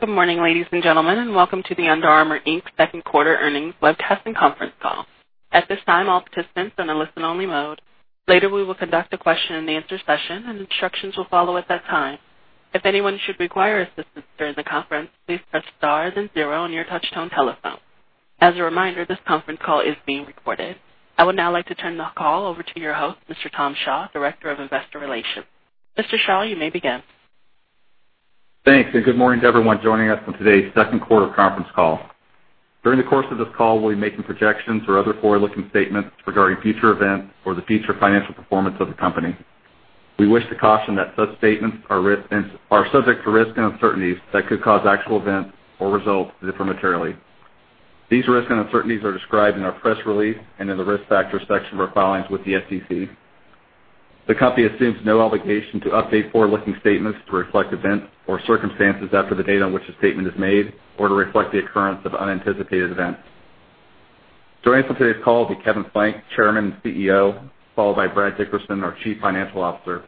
Good morning, ladies and gentlemen, and welcome to the Under Armour, Inc. second quarter earnings webcast and conference call. At this time, all participants are in listen only mode. Later, we will conduct a question and answer session and instructions will follow at that time. If anyone should require assistance during the conference, please press star then zero on your touchtone telephone. As a reminder, this conference call is being recorded. I would now like to turn the call over to your host, Mr. Tom Shaw, Director of Investor Relations. Mr. Shaw, you may begin. Thanks. Good morning to everyone joining us on today's second quarter conference call. During the course of this call, we'll be making projections or other forward-looking statements regarding future events or the future financial performance of the company. We wish to caution that such statements are subject to risks and uncertainties that could cause actual events or results to differ materially. These risks and uncertainties are described in our press release and in the Risk Factors section of our filings with the SEC. The company assumes no obligation to update forward-looking statements to reflect events or circumstances after the date on which a statement is made or to reflect the occurrence of unanticipated events. Joining us on today's call is Kevin Plank, Chairman and CEO, followed by Brad Dickerson, our Chief Financial Officer,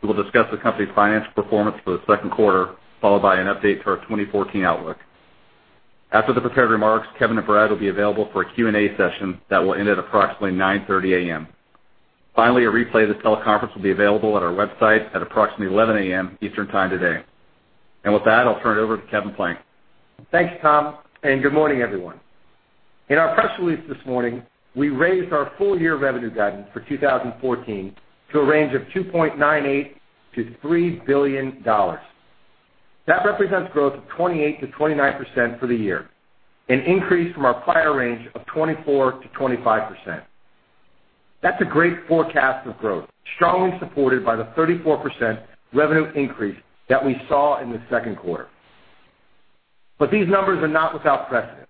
who will discuss the company's financial performance for the second quarter, followed by an update to our 2014 outlook. After the prepared remarks, Kevin and Brad will be available for a Q&A session that will end at approximately 9:30 A.M. Finally, a replay of this teleconference will be available on our website at approximately 11:00 A.M. Eastern Time today. With that, I'll turn it over to Kevin Plank. Thanks, Tom. Good morning, everyone. In our press release this morning, we raised our full-year revenue guidance for 2014 to a range of $2.98 billion-$3 billion. That represents growth of 28%-29% for the year, an increase from our prior range of 24%-25%. That's a great forecast of growth, strongly supported by the 34% revenue increase that we saw in the second quarter. These numbers are not without precedent.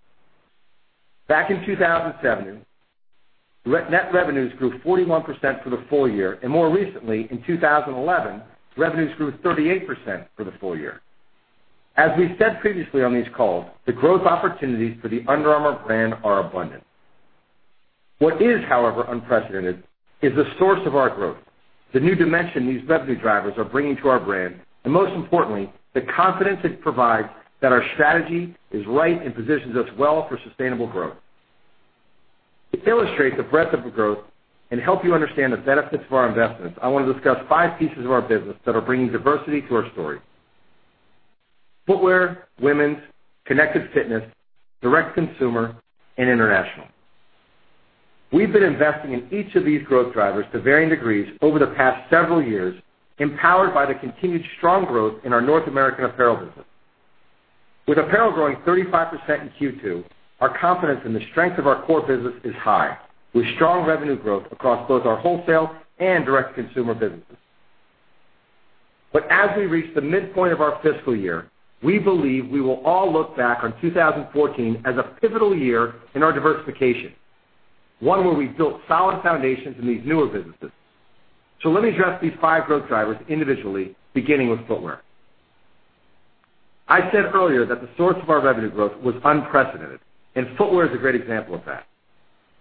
Back in 2007, net revenues grew 41% for the full year, and more recently, in 2011, revenues grew 38% for the full year. As we said previously on these calls, the growth opportunities for the Under Armour brand are abundant. What is, however, unprecedented is the source of our growth, the new dimension these revenue drivers are bringing to our brand, and most importantly, the confidence it provides that our strategy is right and positions us well for sustainable growth. To illustrate the breadth of the growth and help you understand the benefits of our investments, I want to discuss five pieces of our business that are bringing diversity to our story: footwear, women's, Connected Fitness, direct-to-consumer, and international. We've been investing in each of these growth drivers to varying degrees over the past several years, empowered by the continued strong growth in our North American apparel business. With apparel growing 35% in Q2, our confidence in the strength of our core business is high, with strong revenue growth across both our wholesale and direct-to-consumer businesses. As we reach the midpoint of our fiscal year, we believe we will all look back on 2014 as a pivotal year in our diversification, one where we built solid foundations in these newer businesses. Let me address these five growth drivers individually, beginning with footwear. I said earlier that the source of our revenue growth was unprecedented, and footwear is a great example of that.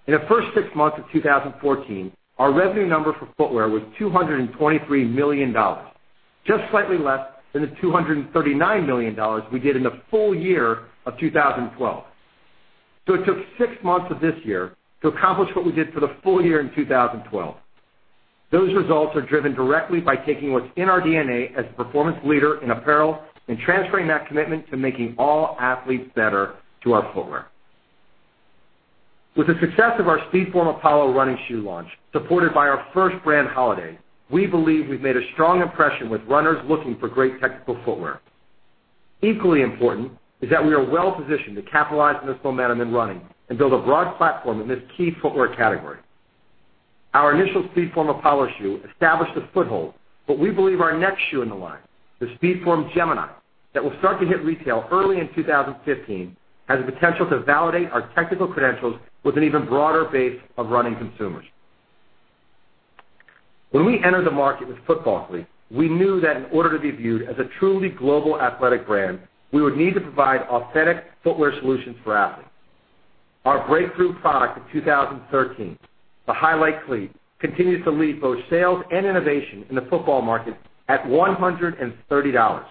In the first six months of 2014, our revenue number for footwear was $223 million, just slightly less than the $239 million we did in the full year of 2012. It took six months of this year to accomplish what we did for the full year in 2012. Those results are driven directly by taking what's in our DNA as a performance leader in apparel and transferring that commitment to making all athletes better to our footwear. With the success of our SpeedForm Apollo running shoe launch, supported by our first brand holiday, we believe we've made a strong impression with runners looking for great technical footwear. Equally important is that we are well-positioned to capitalize on this momentum in running and build a broad platform in this key footwear category. Our initial SpeedForm Apollo shoe established a foothold, but we believe our next shoe in the line, the SpeedForm Gemini, that will start to hit retail early in 2015, has the potential to validate our technical credentials with an even broader base of running consumers. When we entered the market with football cleat, we knew that in order to be viewed as a truly global athletic brand, we would need to provide authentic footwear solutions for athletes. Our breakthrough product of 2013, the Highlight cleat, continues to lead both sales and innovation in the football market at $130.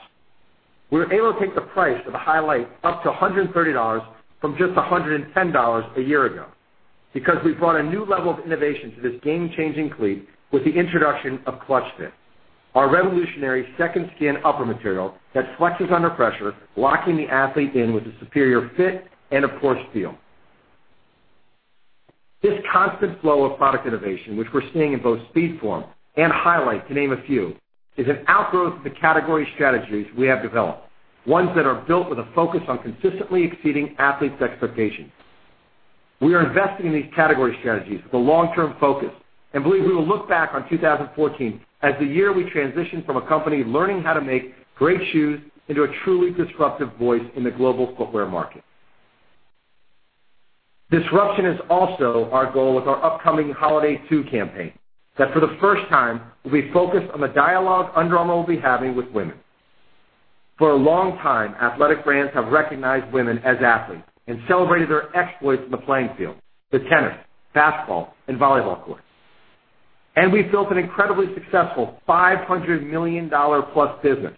We were able to take the price of the Highlight up to $130 from just $110 a year ago because we've brought a new level of innovation to this game-changing cleat with the introduction of ClutchFit, our revolutionary second-skin upper material that flexes under pressure, locking the athlete in with a superior fit and a superior feel. This constant flow of product innovation, which we're seeing in both SpeedForm and Highlight, to name a few, is an outgrowth of the category strategies we have developed, ones that are built with a focus on consistently exceeding athletes' expectations. We are investing in these category strategies with a long-term focus and believe we will look back on 2014 as the year we transitioned from a company learning how to make great shoes into a truly disruptive voice in the global footwear market. Disruption is also our goal with our upcoming Holiday Two campaign that for the first time will be focused on the dialogue Under Armour will be having with women. For a long time, athletic brands have recognized women as athletes and celebrated their exploits in the playing field, the tennis, basketball, and volleyball courts. We've built an incredibly successful $500 million-plus business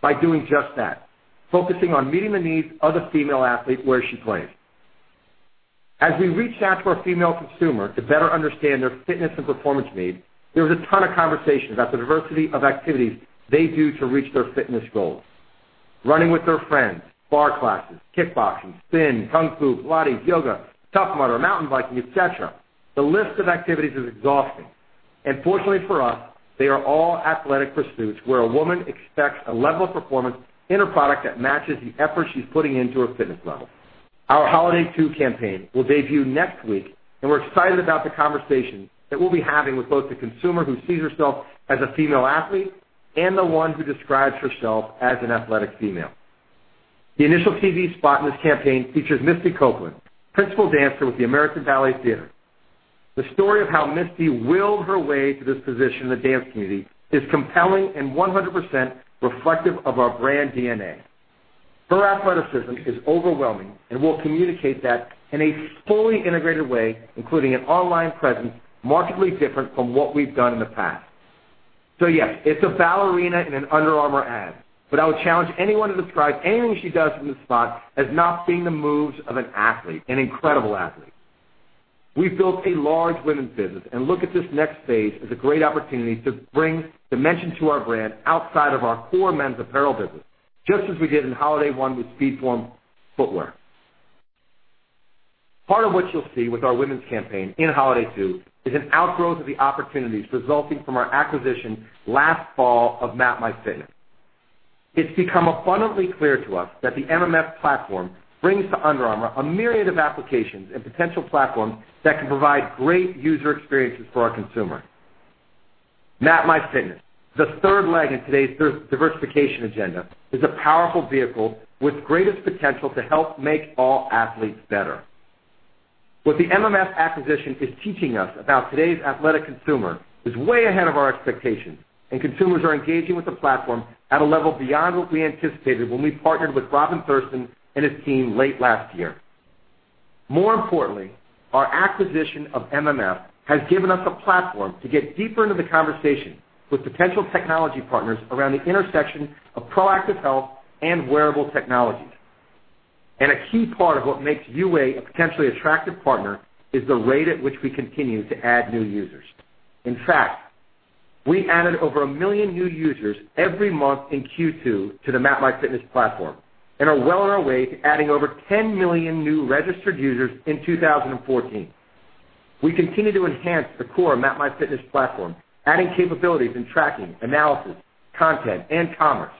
by doing just that, focusing on meeting the needs of the female athlete where she plays. As we reached out to our female consumer to better understand their fitness and performance needs, there was a ton of conversation about the diversity of activities they do to reach their fitness goals. Running with their friends, barre classes, kickboxing, spin, kung fu, Pilates, yoga, Tough Mudder, mountain biking, et cetera. The list of activities is exhausting. Fortunately for us, they are all athletic pursuits where a woman expects a level of performance in her product that matches the effort she's putting into her fitness level. Our Holiday Two campaign will debut next week, We're excited about the conversation that we'll be having with both the consumer who sees herself as a female athlete and the one who describes herself as an athletic female. The initial TV spot in this campaign features Misty Copeland, Principal Dancer with the American Ballet Theatre. The story of how Misty willed her way to this position in the dance community is compelling and 100% reflective of our brand DNA. Her athleticism is overwhelming, We'll communicate that in a fully integrated way, including an online presence markedly different from what we've done in the past. Yes, it's a ballerina in an Under Armour ad, I would challenge anyone to describe anything she does in the spot as not being the moves of an athlete, an incredible athlete. We've built a large women's business, We look at this next phase as a great opportunity to bring dimension to our brand outside of our core men's apparel business, just as we did in Holiday One with SpeedForm Footwear. Part of what you'll see with our women's campaign in Holiday Two is an outgrowth of the opportunities resulting from our acquisition last fall of MapMyFitness. It's become abundantly clear to us that the MMF platform brings to Under Armour a myriad of applications and potential platforms that can provide great user experiences for our consumer. MapMyFitness, the third leg in today's diversification agenda, is a powerful vehicle with greatest potential to help make all athletes better. What the MMF acquisition is teaching us about today's athletic consumer is way ahead of our expectations, and consumers are engaging with the platform at a level beyond what we anticipated when we partnered with Robin Thurston and his team late last year. More importantly, our acquisition of MMF has given us a platform to get deeper into the conversation with potential technology partners around the intersection of proactive health and wearable technologies. A key part of what makes UA a potentially attractive partner is the rate at which we continue to add new users. In fact, we added over a million new users every month in Q2 to the MapMyFitness platform and are well on our way to adding over 10 million new registered users in 2014. We continue to enhance the core MapMyFitness platform, adding capabilities in tracking, analysis, content, and commerce.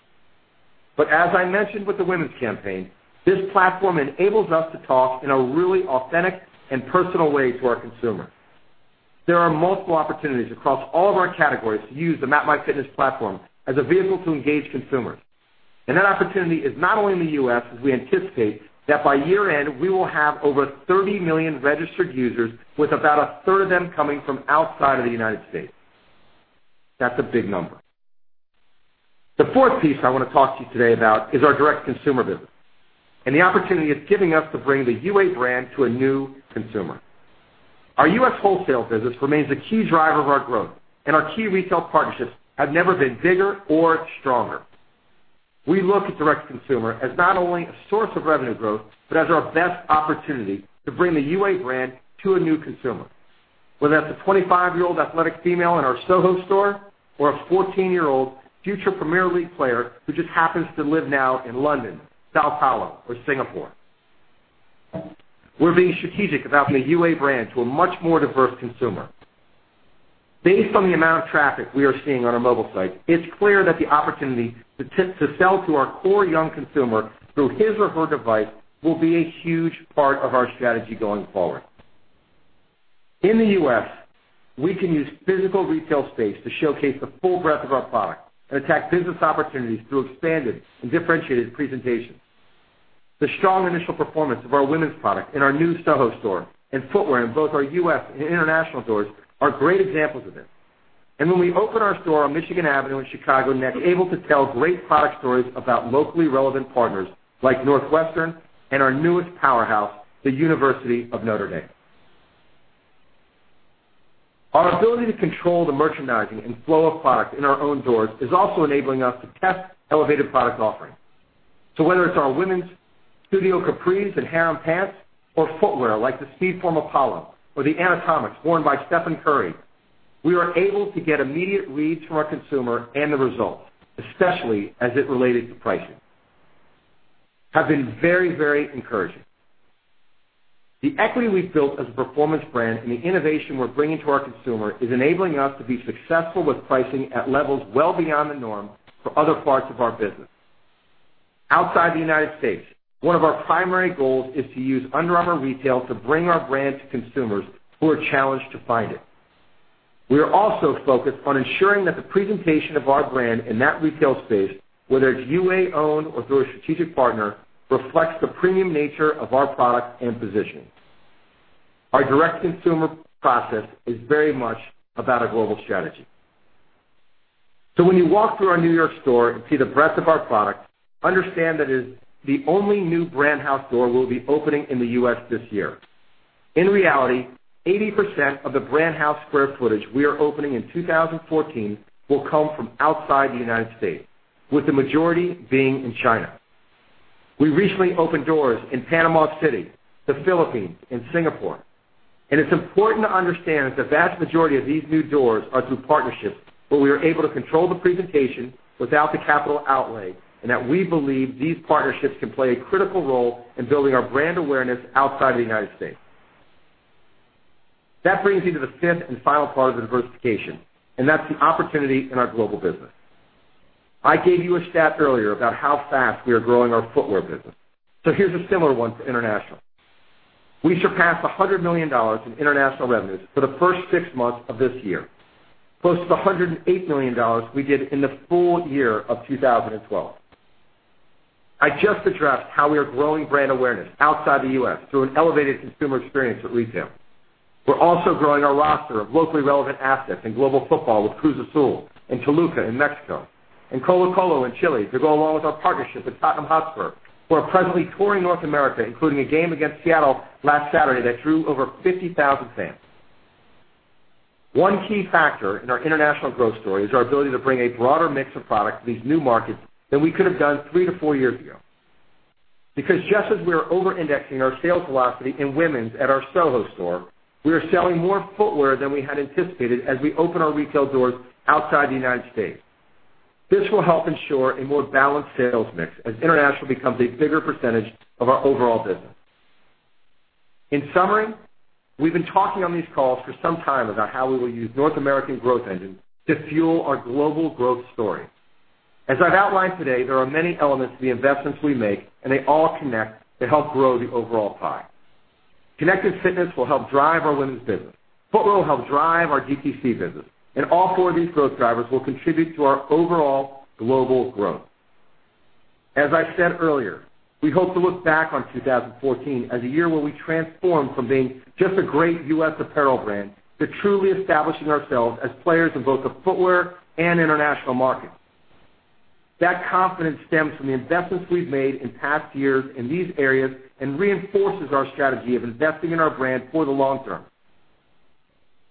As I mentioned with the women's campaign, this platform enables us to talk in a really authentic and personal way to our consumer. There are multiple opportunities across all of our categories to use the MapMyFitness platform as a vehicle to engage consumers. That opportunity is not only in the U.S., as we anticipate that by year-end, we will have over 30 million registered users, with about a third of them coming from outside of the United States. That's a big number. The fourth piece I want to talk to you today about is our direct-to-consumer business, and the opportunity it's giving us to bring the UA brand to a new consumer. Our U.S. wholesale business remains a key driver of our growth, and our key retail partnerships have never been bigger or stronger. We look at direct-to-consumer as not only a source of revenue growth, but as our best opportunity to bring the UA brand to a new consumer. Whether that's a 25-year-old athletic female in our SoHo store or a 14-year-old future Premier League player who just happens to live now in London, São Paulo, or Singapore. We're being strategic about the UA brand to a much more diverse consumer. Based on the amount of traffic we are seeing on our mobile site, it's clear that the opportunity to sell to our core young consumer through his or her device will be a huge part of our strategy going forward. In the U.S., we can use physical retail space to showcase the full breadth of our product and attack business opportunities through expanded and differentiated presentations. The strong initial performance of our women's product in our new SoHo store and footwear in both our U.S. and international stores are great examples of this. When we open our store on Michigan Avenue in Chicago next, we're able to tell great product stories about locally relevant partners like Northwestern and our newest powerhouse, the University of Notre Dame. Our ability to control the merchandising and flow of product in our own stores is also enabling us to test elevated product offerings. Whether it's our women's studio capris and harem pants or footwear like the SpeedForm Apollo or the Anatomix worn by Stephen Curry, we are able to get immediate reads from our consumer, and the results, especially as it related to pricing, have been very, very encouraging. The equity we've built as a performance brand and the innovation we're bringing to our consumer is enabling us to be successful with pricing at levels well beyond the norm for other parts of our business. Outside the U.S., one of our primary goals is to use Under Armour Retail to bring our brand to consumers who are challenged to find it. We are also focused on ensuring that the presentation of our brand in that retail space, whether it's UA-owned or through a strategic partner, reflects the premium nature of our product and position. Our direct consumer process is very much about a global strategy. When you walk through our New York store and see the breadth of our product, understand that it is the only new Brand House store we'll be opening in the U.S. this year. In reality, 80% of the Brand House square footage we are opening in 2014 will come from outside the U.S., with the majority being in China. We recently opened doors in Panama City, the Philippines, and Singapore. It's important to understand that the vast majority of these new doors are through partnerships where we are able to control the presentation without the capital outlay, and that we believe these partnerships can play a critical role in building our brand awareness outside the U.S. That brings me to the fifth and final part of the diversification, and that's the opportunity in our global business. I gave you a stat earlier about how fast we are growing our footwear business. Here's a similar one to international. We surpassed $100 million in international revenues for the first six months of this year, close to the $108 million we did in the full year of 2012. I just addressed how we are growing brand awareness outside the U.S. through an elevated consumer experience at retail. We're also growing our roster of locally relevant assets in global football with Cruz Azul and Toluca in Mexico, and Colo-Colo in Chile, to go along with our partnership with Tottenham Hotspur, who are presently touring North America, including a game against Seattle last Saturday that drew over 50,000 fans. One key factor in our international growth story is our ability to bring a broader mix of products to these new markets than we could have done three to four years ago. Because just as we are over-indexing our sales velocity in women's at our Soho store, we are selling more footwear than we had anticipated as we open our retail doors outside the U.S. This will help ensure a more balanced sales mix as international becomes a bigger percentage of our overall business. In summary, we've been talking on these calls for some time about how we will use North American growth engines to fuel our global growth story. As I've outlined today, there are many elements to the investments we make, and they all connect to help grow the overall pie. Connected Fitness will help drive our women's business. Footwear will help drive our DTC business. All four of these growth drivers will contribute to our overall global growth. As I said earlier, we hope to look back on 2014 as a year where we transformed from being just a great U.S. apparel brand to truly establishing ourselves as players in both the footwear and international markets. That confidence stems from the investments we've made in past years in these areas and reinforces our strategy of investing in our brand for the long term.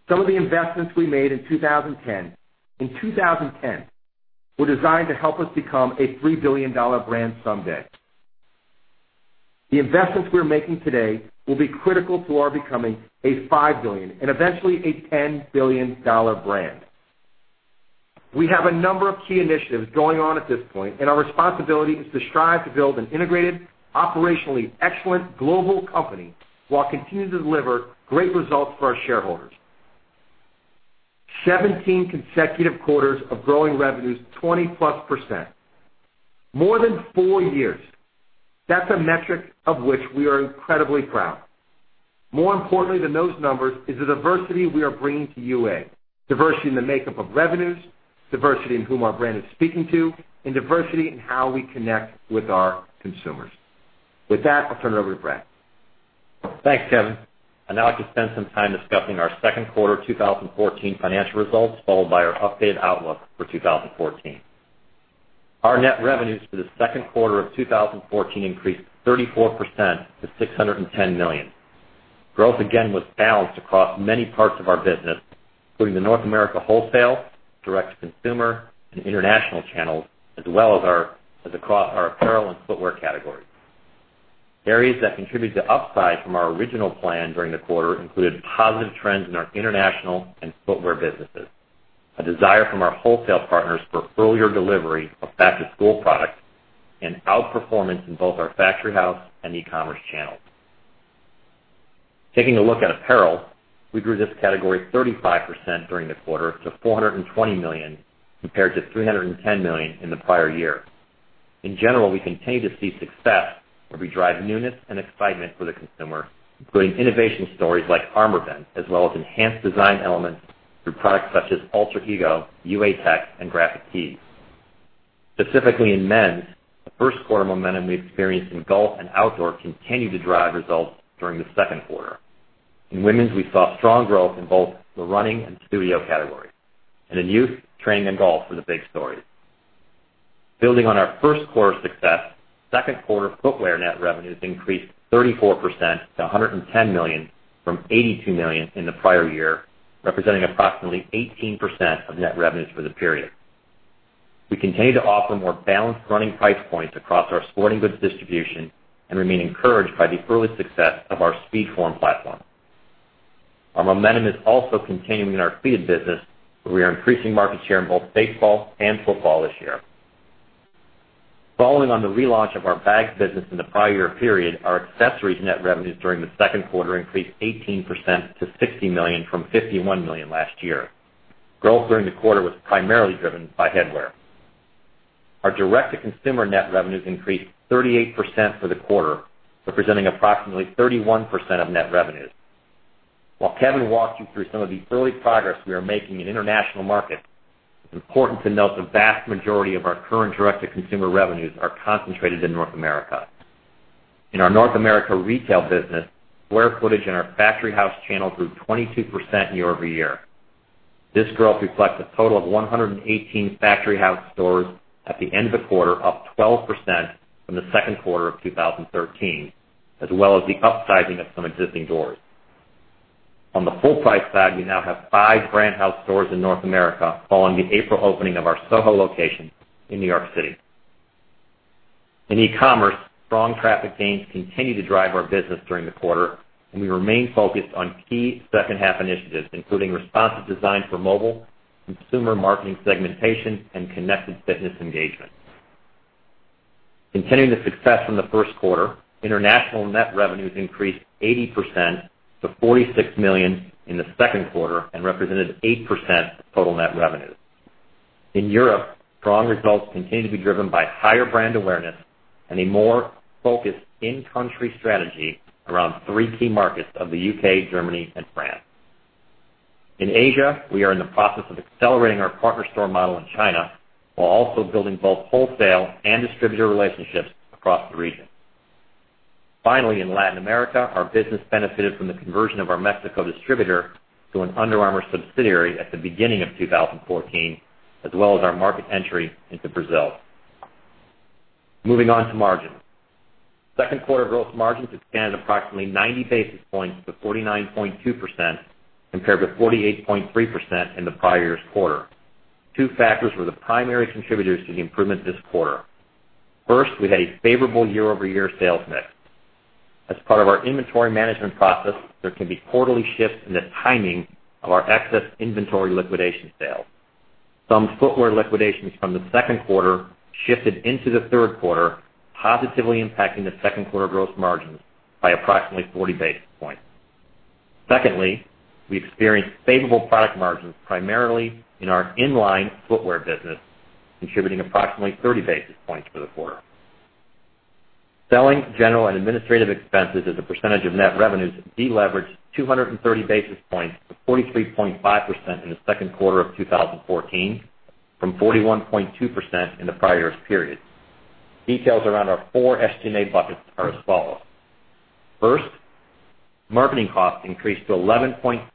Some of the investments we made in 2010 were designed to help us become a $3 billion brand someday. The investments we're making today will be critical to our becoming a $5 billion and eventually a $10 billion brand. Our responsibility is to strive to build an integrated, operationally excellent global company while continuing to deliver great results for our shareholders. 17 consecutive quarters of growing revenues 20%+. More than four years. That's a metric of which we are incredibly proud. More importantly than those numbers is the diversity we are bringing to UA. Diversity in the makeup of revenues, diversity in whom our brand is speaking to, and diversity in how we connect with our consumers. With that, I'll turn it over to Brad. Thanks, Kevin. I'd now like to spend some time discussing our second quarter 2014 financial results, followed by our updated outlook for 2014. Our net revenues for the second quarter of 2014 increased 34% to $610 million. Growth again was balanced across many parts of our business, including the North America wholesale, direct-to-consumer, and international channels, as well as across our apparel and footwear categories. Areas that contributed to upside from our original plan during the quarter included positive trends in our international and footwear businesses, a desire from our wholesale partners for earlier delivery of back-to-school products, and outperformance in both our Factory House and e-commerce channels. Taking a look at apparel, we grew this category 35% during the quarter to $420 million, compared to $310 million in the prior year. In general, we continue to see success where we drive newness and excitement for the consumer, including innovation stories like ArmourVent, as well as enhanced design elements through products such as Alter Ego, UA Tech, and Graphic tees. Specifically in men's, the first quarter momentum we experienced in golf and outdoor continued to drive results during the second quarter. In women's, we saw strong growth in both the running and studio categories. In youth, training and golf were the big stories. Building on our first quarter success, second quarter footwear net revenues increased 34% to $110 million from $82 million in the prior year, representing approximately 18% of net revenues for the period. We continue to offer more balanced running price points across our sporting goods distribution and remain encouraged by the early success of our SpeedForm platform. Our momentum is also continuing in our field business, where we are increasing market share in both baseball and football this year. Following on the relaunch of our bags business in the prior year period, our accessories net revenues during the second quarter increased 18% to $60 million from $51 million last year. Growth during the quarter was primarily driven by headwear. Our direct-to-consumer net revenues increased 38% for the quarter, representing approximately 31% of net revenues. While Kevin walked you through some of the early progress we are making in international markets, it's important to note the vast majority of our current direct-to-consumer revenues are concentrated in North America. In our North America retail business, square footage in our Factory House channel grew 22% year-over-year. This growth reflects a total of 118 Factory House stores at the end of the quarter, up 12% from the second quarter of 2013, as well as the upsizing of some existing doors. On the full-price side, we now have five Brand House stores in North America following the April opening of our SoHo location in New York City. In e-commerce, strong traffic gains continue to drive our business during the quarter, we remain focused on key second-half initiatives, including responsive design for mobile, consumer marketing segmentation, and Connected Fitness engagement. Continuing the success from the first quarter, international net revenues increased 80% to $46 million in the second quarter and represented 8% of total net revenues. In Europe, strong results continue to be driven by higher brand awareness and a more focused in-country strategy around three key markets of the U.K., Germany, and France. In Asia, we are in the process of accelerating our partner store model in China while also building both wholesale and distributor relationships across the region. In Latin America, our business benefited from the conversion of our Mexico distributor to an Under Armour subsidiary at the beginning of 2014, as well as our market entry into Brazil. Moving on to margins. Second quarter gross margins expanded approximately 90 basis points to 49.2% compared to 48.3% in the prior year's quarter. Two factors were the primary contributors to the improvement this quarter. First, we had a favorable year-over-year sales mix. As part of our inventory management process, there can be quarterly shifts in the timing of our excess inventory liquidation sales. Some footwear liquidations from the second quarter shifted into the third quarter, positively impacting the second-quarter gross margins by approximately 40 basis points. Secondly, we experienced favorable product margins primarily in our in-line footwear business, contributing approximately 30 basis points for the quarter. Selling, general, and administrative expenses as a percentage of net revenues deleveraged 230 basis points to 43.5% in the second quarter of 2014 from 41.2% in the prior year's period. Details around our four SG&A buckets are as follows. First, marketing costs increased to 11.6%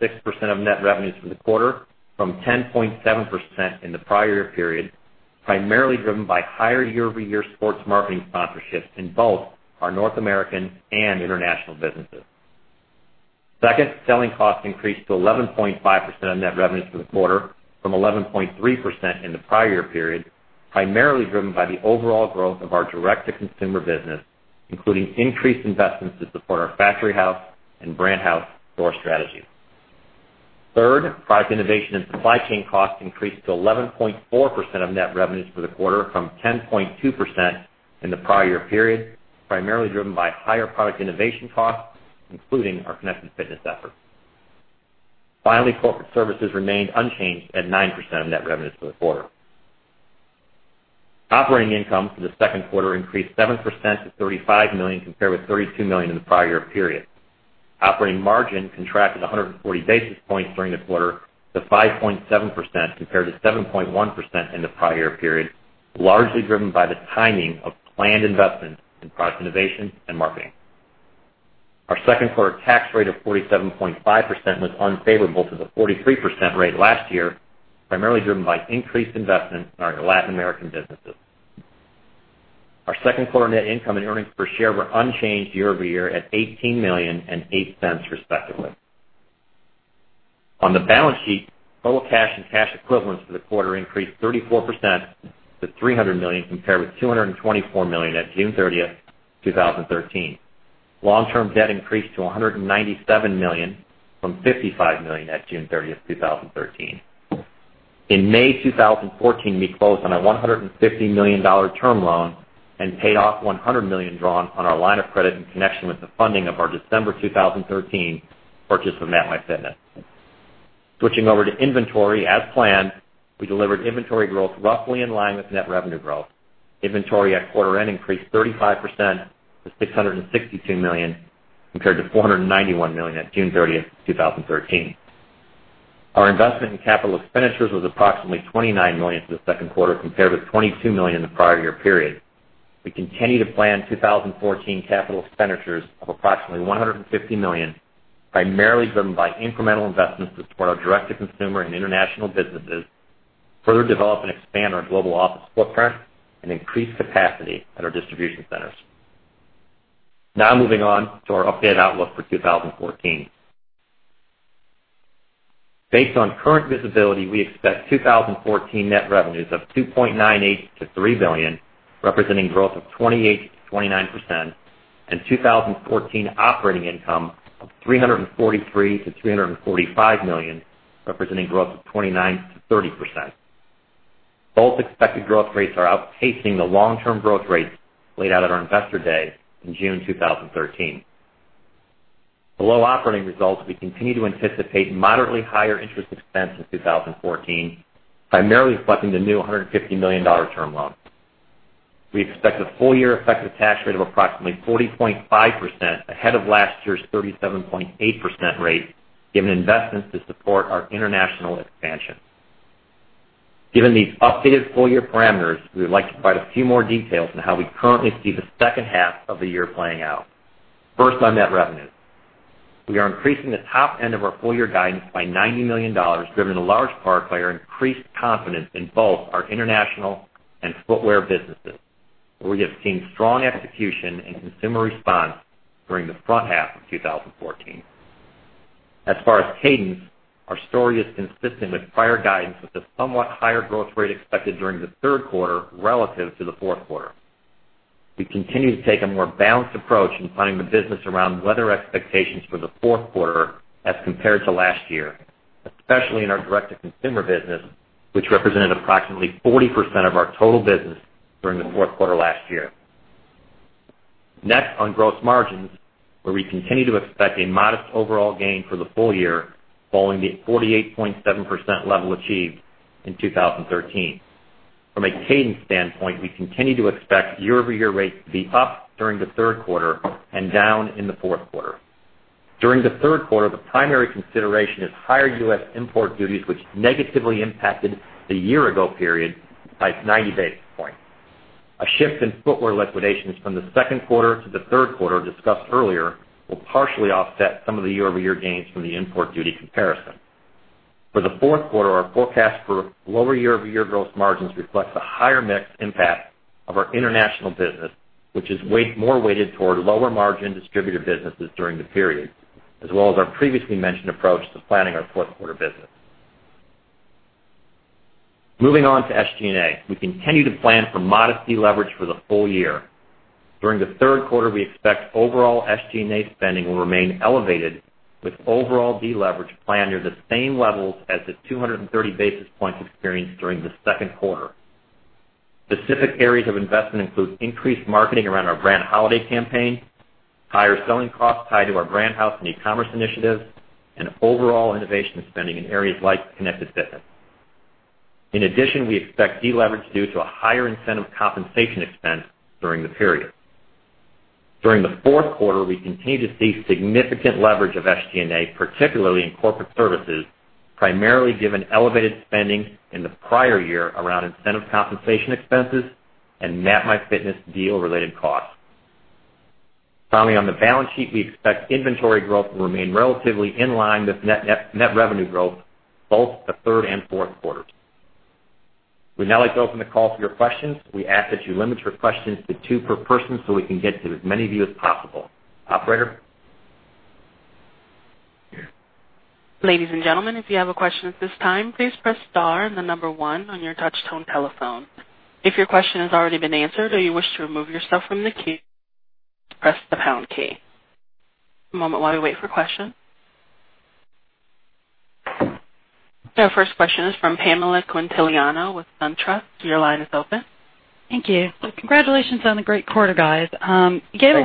of net revenues for the quarter from 10.7% in the prior year period, primarily driven by higher year-over-year sports marketing sponsorships in both our North American and international businesses. Second, selling costs increased to 11.5% of net revenues for the quarter from 11.3% in the prior year period, primarily driven by the overall growth of our direct-to-consumer business, including increased investments to support our Factory House and Brand House store strategy. Product innovation and supply chain costs increased to 11.4% of net revenues for the quarter from 10.2% in the prior year period, primarily driven by higher product innovation costs, including our Connected Fitness effort. Corporate services remained unchanged at 9% of net revenues for the quarter. Operating income for the second quarter increased 7% to $35 million compared with $32 million in the prior year period. Operating margin contracted 140 basis points during the quarter to 5.7% compared to 7.1% in the prior year period, largely driven by the timing of planned investments in product innovation and marketing. Our second-quarter tax rate of 47.5% was unfavorable to the 43% rate last year, primarily driven by increased investment in our Latin American businesses. Our second-quarter net income and earnings per share were unchanged year-over-year at $18 million and $0.08 respectively. On the balance sheet, total cash and cash equivalents for the quarter increased 34% to $300 million compared with $224 million at June 30th, 2013. Long-term debt increased to $197 million from $55 million at June 30th, 2013. In May 2014, we closed on a $150 million term loan and paid off $100 million drawn on our line of credit in connection with the funding of our December 2013 purchase of MapMyFitness. Switching over to inventory, as planned, we delivered inventory growth roughly in line with net revenue growth. Inventory at quarter end increased 35% to $662 million compared to $491 million at June 30th, 2013. Our investment in capital expenditures was approximately $29 million for the second quarter compared with $22 million in the prior year period. We continue to plan 2014 capital expenditures of approximately $150 million, primarily driven by incremental investments to support our direct-to-consumer and international businesses, further develop and expand our global office footprint, and increase capacity at our distribution centers. Moving on to our updated outlook for 2014. Based on current visibility, we expect 2014 net revenues of $2.98 billion-$3 billion, representing growth of 28%-29%, and 2014 operating income of $343 million-$345 million, representing growth of 29%-30%. Both expected growth rates are outpacing the long-term growth rates laid out at our Investor Day in June 2013. Below operating results, we continue to anticipate moderately higher interest expense in 2014, primarily reflecting the new $150 million term loan. We expect a full-year effective tax rate of approximately 40.5% ahead of last year's 37.8% rate given investments to support our international expansion. Given these updated full-year parameters, we would like to provide a few more details on how we currently see the second half of the year playing out. On net revenue. We are increasing the top end of our full year guidance by $90 million, driven in large part by our increased confidence in both our international and footwear businesses, where we have seen strong execution and consumer response during the front half of 2014. As far as cadence, our story is consistent with prior guidance, with a somewhat higher growth rate expected during the third quarter relative to the fourth quarter. We continue to take a more balanced approach in planning the business around weather expectations for the fourth quarter as compared to last year, especially in our direct-to-consumer business, which represented approximately 40% of our total business during the fourth quarter last year. Next, on gross margins, where we continue to expect a modest overall gain for the full year, following the 48.7% level achieved in 2013. From a cadence standpoint, we continue to expect year-over-year rates to be up during the third quarter and down in the fourth quarter. During the third quarter, the primary consideration is higher U.S. import duties, which negatively impacted the year-ago period by 90 basis points. A shift in footwear liquidations from the second quarter to the third quarter discussed earlier will partially offset some of the year-over-year gains from the import duty comparison. For the fourth quarter, our forecast for lower year-over-year gross margins reflects the higher mix impact of our international business, which is more weighted toward lower-margin distributor businesses during the period, as well as our previously mentioned approach to planning our fourth quarter business. Moving on to SG&A, we continue to plan for modest deleverage for the full year. During the third quarter, we expect overall SG&A spending will remain elevated with overall deleverage planned near the same levels as the 230 basis points experienced during the second quarter. Specific areas of investment include increased marketing around our brand holiday campaign, higher selling costs tied to our Brand House and e-commerce initiatives, and overall innovation spending in areas like Connected Fitness. In addition, we expect deleverage due to a higher incentive compensation expense during the period. During the fourth quarter, we continue to see significant leverage of SG&A, particularly in corporate services, primarily given elevated spending in the prior year around incentive compensation expenses and MapMyFitness deal-related costs. Finally, on the balance sheet, we expect inventory growth will remain relatively in line with net revenue growth both the third and fourth quarters. We'd now like to open the call for your questions. We ask that you limit your questions to two per person so we can get to as many of you as possible. Operator? Ladies and gentlemen, if you have a question at this time, please press star and the number one on your touch tone telephone. If your question has already been answered or you wish to remove yourself from the queue, press the pound key. One moment while we wait for questions. Our first question is from Pamela Quintiliano with SunTrust. Your line is open. Thank you. Congratulations on the great quarter, guys. Thanks, Pam. You gave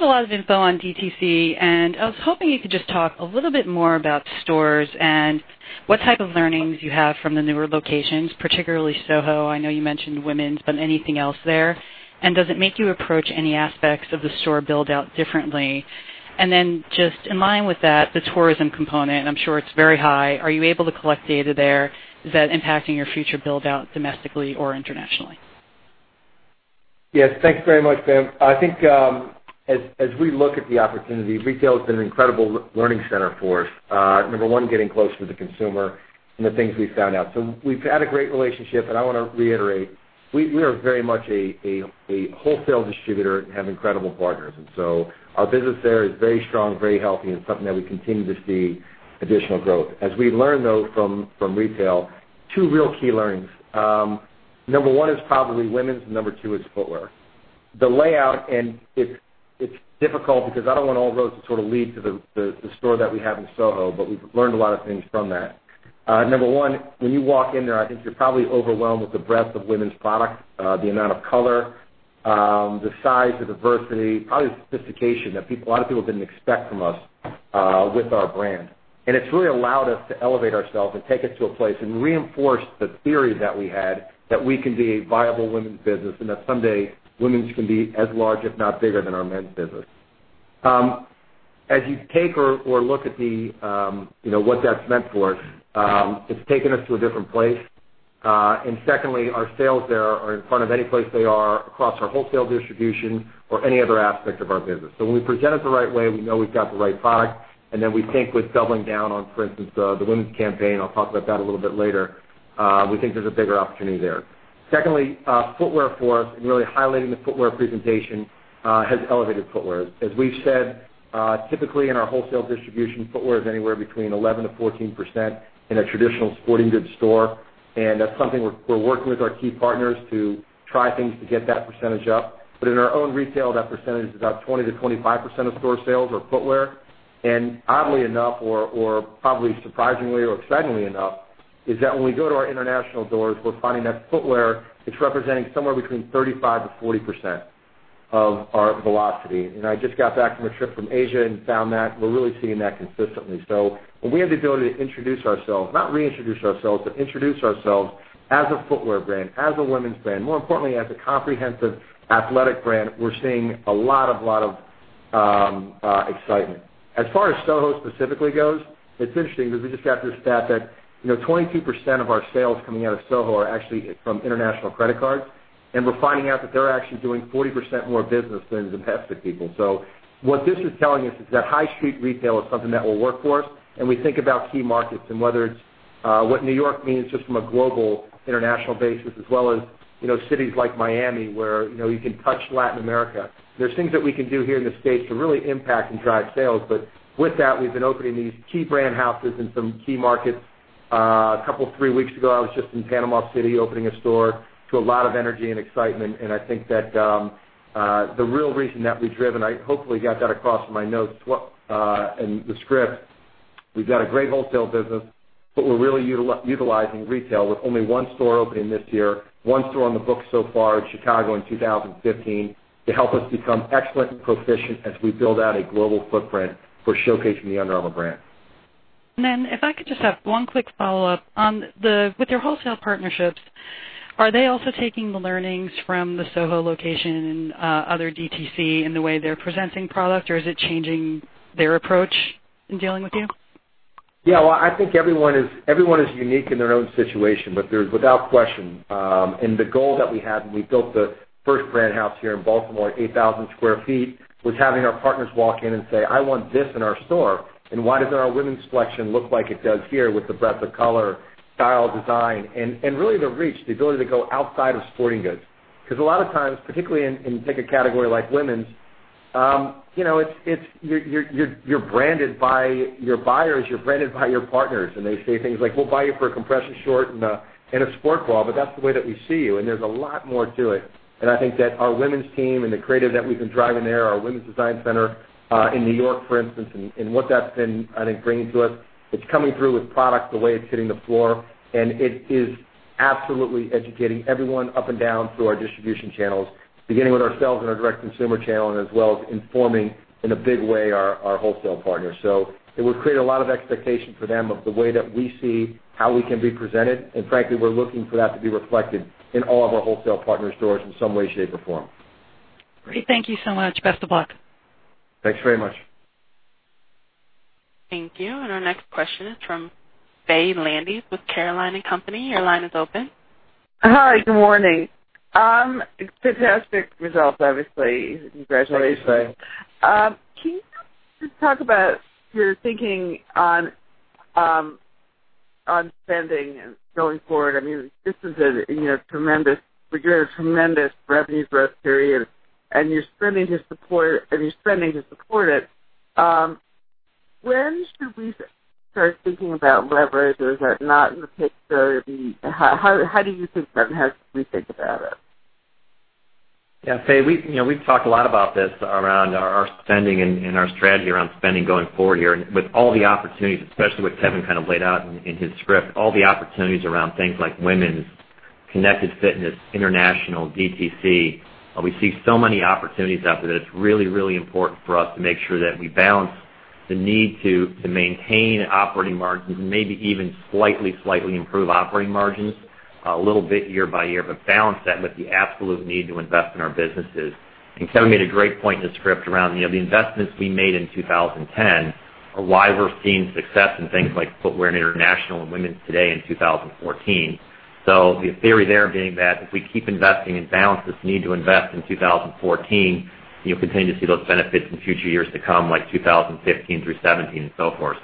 a lot of info on DTC, and I was hoping you could just talk a little bit more about stores and what type of learnings you have from the newer locations, particularly SoHo. I know you mentioned women's, but anything else there? Does it make you approach any aspects of the store build-out differently? Just in line with that, the tourism component, I'm sure it's very high. Are you able to collect data there? Is that impacting your future build-out domestically or internationally? Yes. Thanks very much, Pam. I think as we look at the opportunity, retail has been an incredible learning center for us. Number one, getting close to the consumer and the things we found out. We've had a great relationship, and I want to reiterate, we are very much a wholesale distributor and have incredible partners. Our business there is very strong, very healthy, and something that we continue to see additional growth. As we learn, though, from retail, two real key learnings. Number one is probably women's, and number two is footwear. The layout, and it's difficult because I don't want all roads to sort of lead to the store that we have in Soho, but we've learned a lot of things from that. Number one, when you walk in there, I think you're probably overwhelmed with the breadth of women's product, the amount of color, the size, the diversity, probably the sophistication that a lot of people didn't expect from us with our brand. It's really allowed us to elevate ourselves and take it to a place and reinforce the theory that we had that we can be a viable women's business, and that someday, women's can be as large, if not bigger than our men's business. As you take or look at what that's meant for, it's taken us to a different place. Secondly, our sales there are in front of any place they are across our wholesale distribution or any other aspect of our business. When we present it the right way, we know we've got the right product, then we think with doubling down on, for instance, the women's campaign. I'll talk about that a little bit later. We think there's a bigger opportunity there. Secondly, footwear for us, and really highlighting the footwear presentation, has elevated footwear. As we've said, typically in our wholesale distribution, footwear is anywhere between 11%-14% in a traditional sporting goods store, that's something we're working with our key partners to try things to get that percentage up. But in our own retail, that percentage is about 20%-25% of store sales are footwear. Oddly enough or probably surprisingly or excitingly enough, is that when we go to our international doors, we're finding that footwear is representing somewhere between 35%-40% of our velocity. I just got back from a trip from Asia and found that. We're really seeing that consistently. When we have the ability to introduce ourselves, not reintroduce ourselves, but introduce ourselves as a footwear brand, as a women's brand, more importantly as a comprehensive athletic brand, we're seeing a lot of Excitement. As far as SoHo specifically goes, it's interesting because we just got this stat that 22% of our sales coming out of SoHo are actually from international credit cards, and we're finding out that they're actually doing 40% more business than domestic people. What this is telling us is that high street retail is something that will work for us. We think about key markets and whether it's what New York means just from a global international basis, as well as cities like Miami, where you can touch Latin America. There's things that we can do here in the States to really impact and drive sales. With that, we've been opening these key Brand Houses in some key markets. A couple, three weeks ago, I was just in Panama City, opening a store to a lot of energy and excitement. I think that the real reason that we've driven, I hopefully got that across in my notes, in the script. We've got a great wholesale business, but we're really utilizing retail with only one store opening this year, one store on the books so far in Chicago in 2015, to help us become excellent and proficient as we build out a global footprint for showcasing the Under Armour brand. If I could just have one quick follow-up. With your wholesale partnerships, are they also taking the learnings from the Soho location and other DTC in the way they're presenting product, or is it changing their approach in dealing with you? Well, I think everyone is unique in their own situation, but there's without question. The goal that we had when we built the first Brand House here in Baltimore, 8,000 sq ft, was having our partners walk in and say, "I want this in our store." Why doesn't our women's selection look like it does here with the breadth of color, style, design, and really the reach, the ability to go outside of sporting goods? A lot of times, particularly in, take a category like women's, you're branded by your buyers, you're branded by your partners, and they say things like, "We'll buy you for a compression short and a sport bra, but that's the way that we see you." There's a lot more to it. I think that our women's team and the creative that we've been driving there, our women's design center, in New York, for instance, and what that's been, I think, bringing to us, it's coming through with product, the way it's hitting the floor, and it is absolutely educating everyone up and down through our distribution channels, beginning with ourselves and our direct consumer channel, as well as informing in a big way our wholesale partners. It would create a lot of expectation for them of the way that we see how we can be presented. Frankly, we're looking for that to be reflected in all of our wholesale partner stores in some way, shape, or form. Great. Thank you so much. Best of luck. Thanks very much. Thank you. Our next question is from Faye Landes with Cowen and Company. Your line is open. Hi, good morning. Fantastic results, obviously. Congratulations. Thank you, Faye. Can you just talk about your thinking on spending and going forward? This is a tremendous revenue growth period, and you're spending to support it. When should we start thinking about leverage? Is that not in the picture? How do you think we think about it? Yeah, Faye, we've talked a lot about this around our spending and our strategy around spending going forward here. With all the opportunities, especially what Kevin kind of laid out in his script, all the opportunities around things like women's, Connected Fitness, international, DTC. We see so many opportunities out there that it's really, really important for us to make sure that we balance the need to maintain operating margins and maybe even slightly improve operating margins a little bit year by year, but balance that with the absolute need to invest in our businesses. Kevin made a great point in the script around the investments we made in 2010 are why we're seeing success in things like footwear and international and women's today in 2014. The theory there being that if we keep investing and balance this need to invest in 2014, you'll continue to see those benefits in future years to come, like 2015-2017 and so forth.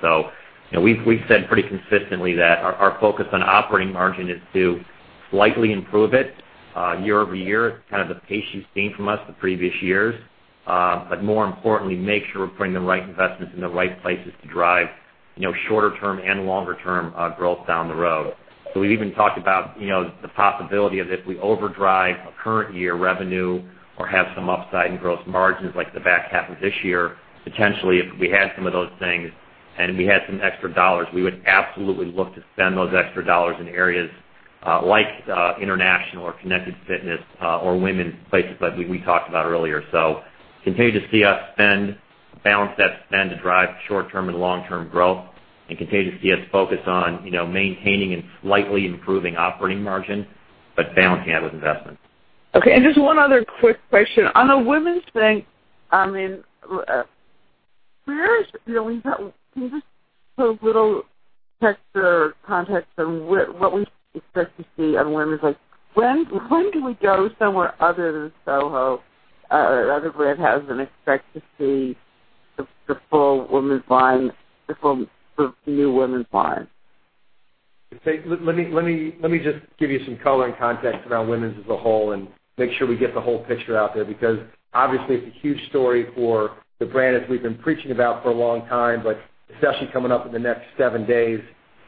We've said pretty consistently that our focus on operating margin is to slightly improve it year-over-year, kind of the pace you've seen from us the previous years. More importantly, make sure we're putting the right investments in the right places to drive shorter-term and longer-term growth down the road. We even talked about the possibility of if we overdrive a current year revenue or have some upside in gross margins like the back half of this year, potentially, if we had some of those things and we had some extra dollars, we would absolutely look to spend those extra dollars in areas like international or Connected Fitness or women's places that we talked about earlier. Continue to see us spend, balance that spend to drive short-term and long-term growth, and continue to see us focus on maintaining and slightly improving operating margin, but balancing that with investment. Just one other quick question. On the women's thing, can you just give a little texture or context on what we should expect to see on women's? When do we go somewhere other than Soho or other Brand Houses and expect to see the full women's line, the new women's line? Faye, let me just give you some color and context around women's as a whole and make sure we get the whole picture out there because obviously it's a huge story for the brand as we've been preaching about for a long time, but especially coming up in the next seven days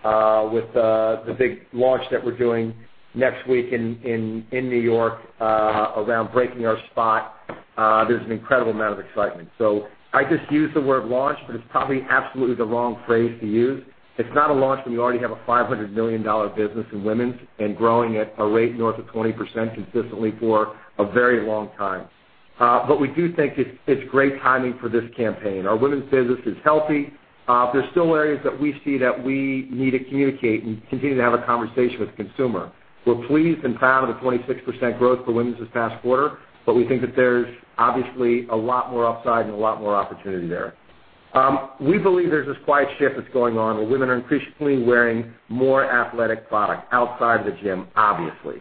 with the big launch that we're doing next week in New York around breaking our spot. There's an incredible amount of excitement. I just used the word launch, but it's probably absolutely the wrong phrase to use. It's not a launch when you already have a $500 million business in women's and growing at a rate north of 20% consistently for a very long time. We do think it's great timing for this campaign. Our women's business is healthy. There's still areas that we see that we need to communicate and continue to have a conversation with the consumer. We're pleased and proud of the 26% growth for women's this past quarter, we think that there's obviously a lot more upside and a lot more opportunity there. We believe there's this quiet shift that's going on where women are increasingly wearing more athletic product outside the gym, obviously.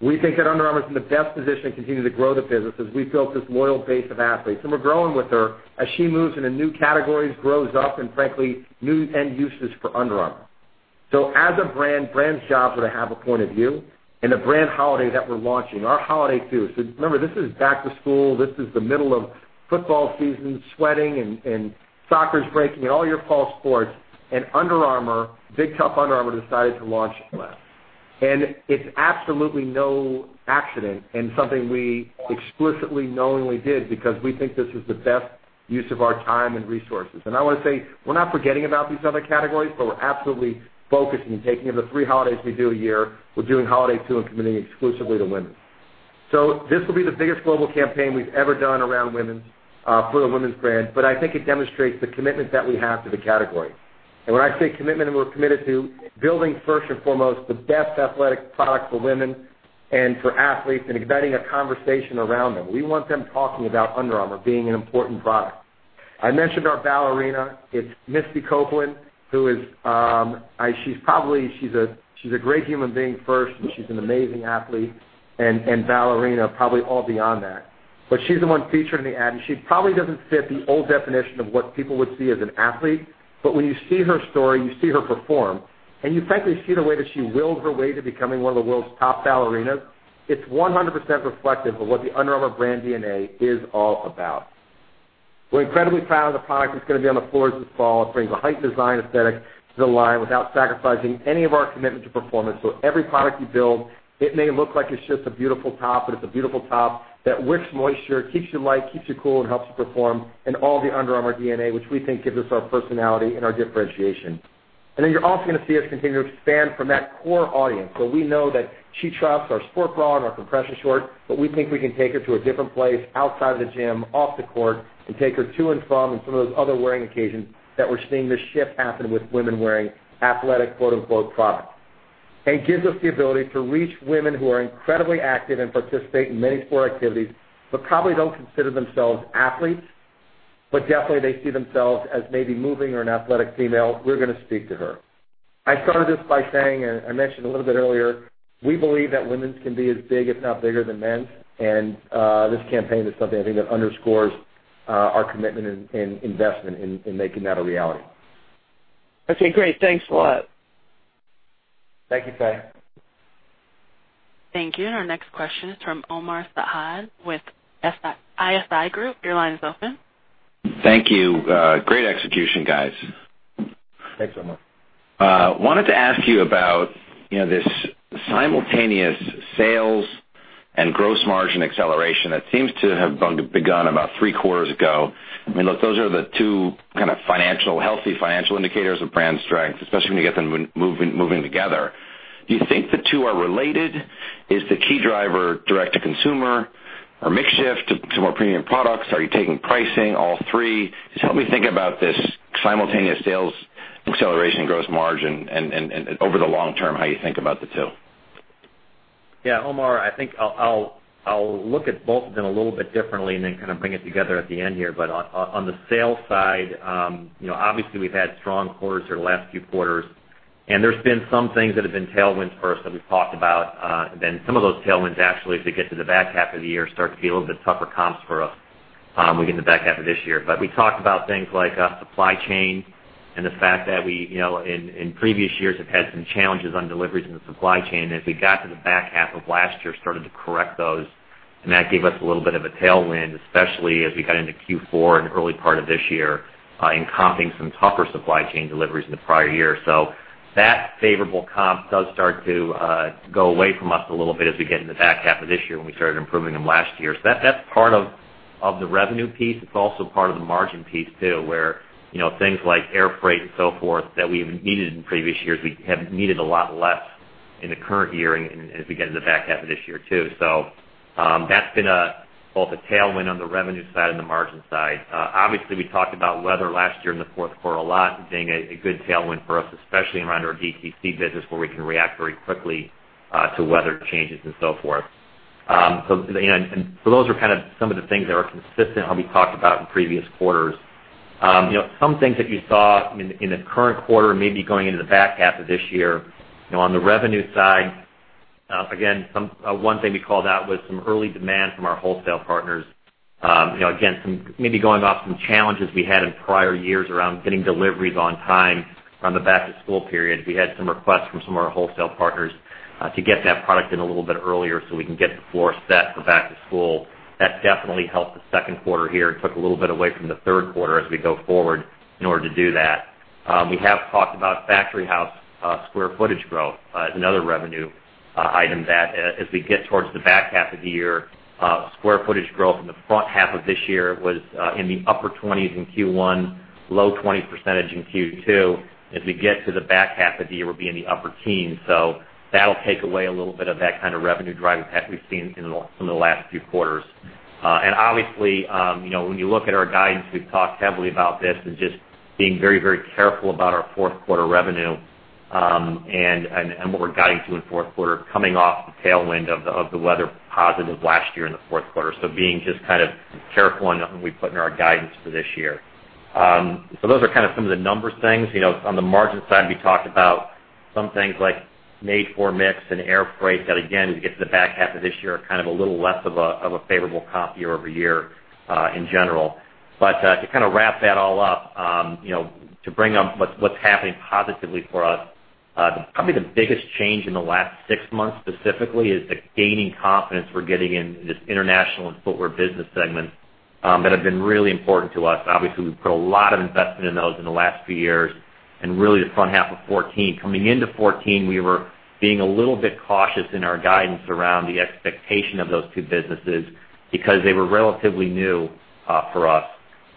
We think that Under Armour is in the best position to continue to grow the business as we built this loyal base of athletes, and we're growing with her as she moves into new categories, grows up, and frankly, new end uses for Under Armour. As a brand's job is to have a point of view, and the brand holiday that we're launching, our Holiday 2. Remember, this is back to school. This is the middle of football season, sweating, and soccer's breaking, and all your fall sports, and big top Under Armour decided to launch. It's absolutely no accident and something we explicitly, knowingly did because we think this is the best use of our time and resources. I want to say, we're not forgetting about these other categories, but we're absolutely focusing and taking of the three holidays we do a year, we're doing Holiday 2 and committing exclusively to women's. This will be the biggest global campaign we've ever done around women's for the women's brand. I think it demonstrates the commitment that we have to the category. When I say commitment, we're committed to building first and foremost, the best athletic product for women and for athletes and igniting a conversation around them. We want them talking about Under Armour being an important product. I mentioned our ballerina. It's Misty Copeland. She's a great human being first, and she's an amazing athlete and ballerina, probably all beyond that. She's the one featured in the ad, and she probably doesn't fit the old definition of what people would see as an athlete. When you see her story, you see her perform, and you frankly see the way that she willed her way to becoming one of the world's top ballerinas, it's 100% reflective of what the Under Armour brand DNA is all about. We're incredibly proud of the product that's going to be on the floors this fall. It brings a heightened design aesthetic to the line without sacrificing any of our commitment to performance. Every product we build, it may look like it's just a beautiful top, but it's a beautiful top that wicks moisture, keeps you light, keeps you cool, and helps you perform, and all the Under Armour DNA, which we think gives us our personality and our differentiation. You're also going to see us continue to expand from that core audience. We know that she shops our sport bra and our compression short, we think we can take her to a different place outside of the gym, off the court, and take her to and from, and some of those other wearing occasions that we're seeing this shift happen with women wearing athletic, quote-unquote product. It gives us the ability to reach women who are incredibly active and participate in many sport activities, probably don't consider themselves athletes, definitely they see themselves as maybe moving or an athletic female. We're going to speak to her. I started this by saying, I mentioned a little bit earlier, we believe that women's can be as big, if not bigger than men's. This campaign is something I think that underscores our commitment and investment in making that a reality. Okay, great. Thanks a lot. Thank you, Faye. Thank you. Our next question is from Omar Saad with ISI Group. Your line is open. Thank you. Great execution, guys. Thanks, Omar. Wanted to ask you about this simultaneous sales and gross margin acceleration that seems to have begun about three quarters ago. I mean, look, those are the two kind of healthy financial indicators of brand strength, especially when you get them moving together. Do you think the two are related? Is the key driver direct to consumer or mix shift to more premium products? Are you taking pricing, all three? Just help me think about this simultaneous sales acceleration, gross margin, and over the long term, how you think about the two. Yeah, Omar, I think I'll look at both of them a little bit differently and then kind of bring it together at the end here. On the sales side, obviously we've had strong quarters for the last few quarters, and there's been some things that have been tailwinds for us that we've talked about. Some of those tailwinds, actually, as we get to the back half of the year, start to be a little bit tougher comps for us when we get in the back half of this year. We talked about things like supply chain and the fact that we, in previous years, have had some challenges on deliveries in the supply chain. As we got to the back half of last year, started to correct those, and that gave us a little bit of a tailwind, especially as we got into Q4 and early part of this year in comping some tougher supply chain deliveries in the prior year. That favorable comp does start to go away from us a little bit as we get in the back half of this year when we started improving them last year. That's part of the revenue piece. It's also part of the margin piece too, where things like air freight and so forth that we needed in previous years, we have needed a lot less in the current year and as we get in the back half of this year, too. That's been both a tailwind on the revenue side and the margin side. Obviously, we talked about weather last year in the fourth quarter a lot as being a good tailwind for us, especially around our DTC business where we can react very quickly to weather changes and so forth. Those are kind of some of the things that were consistent, how we talked about in previous quarters. Some things that you saw in the current quarter, maybe going into the back half of this year, on the revenue side, again, one thing we called out was some early demand from our wholesale partners. Again, maybe going off some challenges we had in prior years around getting deliveries on time on the back-to-school period. We had some requests from some of our wholesale partners to get that product in a little bit earlier so we can get the floor set for back to school. That definitely helped the second quarter here. It took a little bit away from the third quarter as we go forward in order to do that. We have talked about Factory House square footage growth as another revenue item that as we get towards the back half of the year, square footage growth in the front half of this year was in the upper 20s% in Q1, low 20% in Q2. As we get to the back half of the year, we'll be in the upper teens%. That'll take away a little bit of that kind of revenue drive we've seen in some of the last few quarters. Obviously, when you look at our guidance, we've talked heavily about this and just being very, very careful about our fourth quarter revenue What we're guiding to in fourth quarter, coming off the tailwind of the weather positive last year in the fourth quarter. Being just careful on what we put in our guidance for this year. Those are some of the numbers things. On the margin side, we talked about some things like made for mix and air freight that again, as we get to the back half of this year, are a little less of a favorable comp year-over-year, in general. To wrap that all up, to bring up what's happening positively for us, probably the biggest change in the last six months specifically is the gaining confidence we're getting in this international and footwear business segment, that have been really important to us. Obviously, we've put a lot of investment in those in the last few years and really the front half of 2014. Coming into 2014, we were being a little bit cautious in our guidance around the expectation of those two businesses because they were relatively new for us.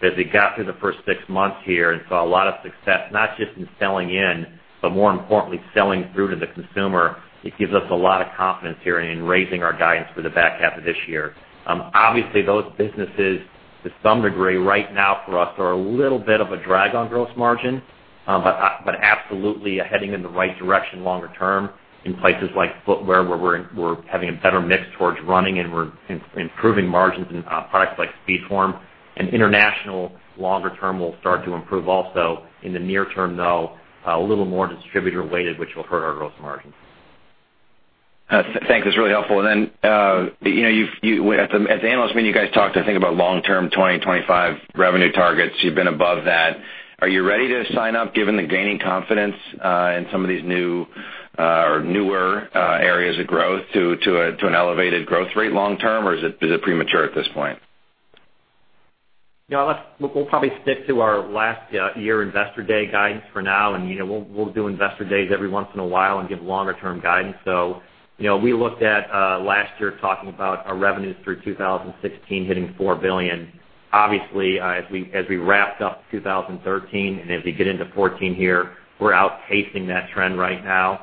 As we got through the first six months here and saw a lot of success, not just in selling in, but more importantly, selling through to the consumer, it gives us a lot of confidence here in raising our guidance for the back half of this year. Obviously, those businesses, to some degree right now for us, are a little bit of a drag on gross margin. Absolutely heading in the right direction longer term in places like footwear, where we're having a better mix towards running and we're improving margins in products like SpeedForm and international longer term will start to improve also. In the near term, though, a little more distributor weighted, which will hurt our gross margin. Thanks. That's really helpful. Then at the analyst meeting, you guys talked, I think, about long-term 2025 revenue targets. You've been above that. Are you ready to sign up given the gaining confidence in some of these new or newer areas of growth to an elevated growth rate long term or is it premature at this point? We'll probably stick to our last year Investor Day guidance for now. We'll do Investor Days every once in a while and give longer term guidance. We looked at last year talking about our revenues through 2016 hitting $4 billion. Obviously, as we wrapped up 2013, as we get into 2014 here, we're outpacing that trend right now.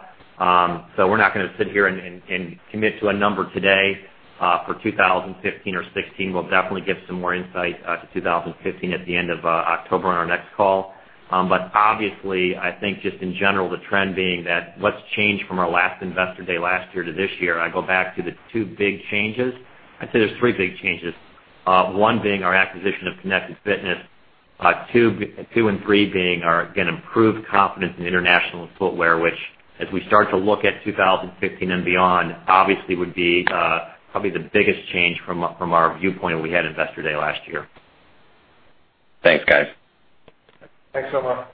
We're not going to sit here and commit to a number today for 2015 or 2016. We'll definitely give some more insight to 2015 at the end of October on our next call. Obviously, I think just in general, the trend being that what's changed from our last Investor Day last year to this year, I go back to the two big changes. I'd say there's three big changes. One being our acquisition of Connected Fitness, two and three being our, again, improved confidence in international footwear, which as we start to look at 2015 and beyond, obviously would be probably the biggest change from our viewpoint when we had Investor Day last year. Thanks, guys. Thanks a lot.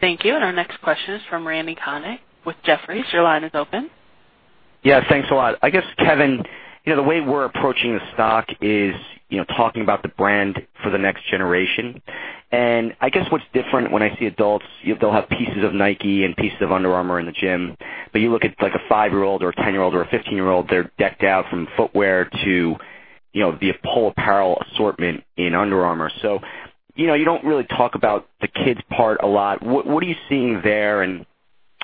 Thank you. Our next question is from Randal Konik with Jefferies. Your line is open. Yeah, thanks a lot. I guess, Kevin, the way we're approaching the stock is talking about the brand for the next generation. I guess what's different when I see adults, they'll have pieces of Nike and pieces of Under Armour in the gym. You look at a five-year-old or a 10-year-old or a 15-year-old, they're decked out from footwear to the whole apparel assortment in Under Armour. You don't really talk about the kids part a lot. What are you seeing there, and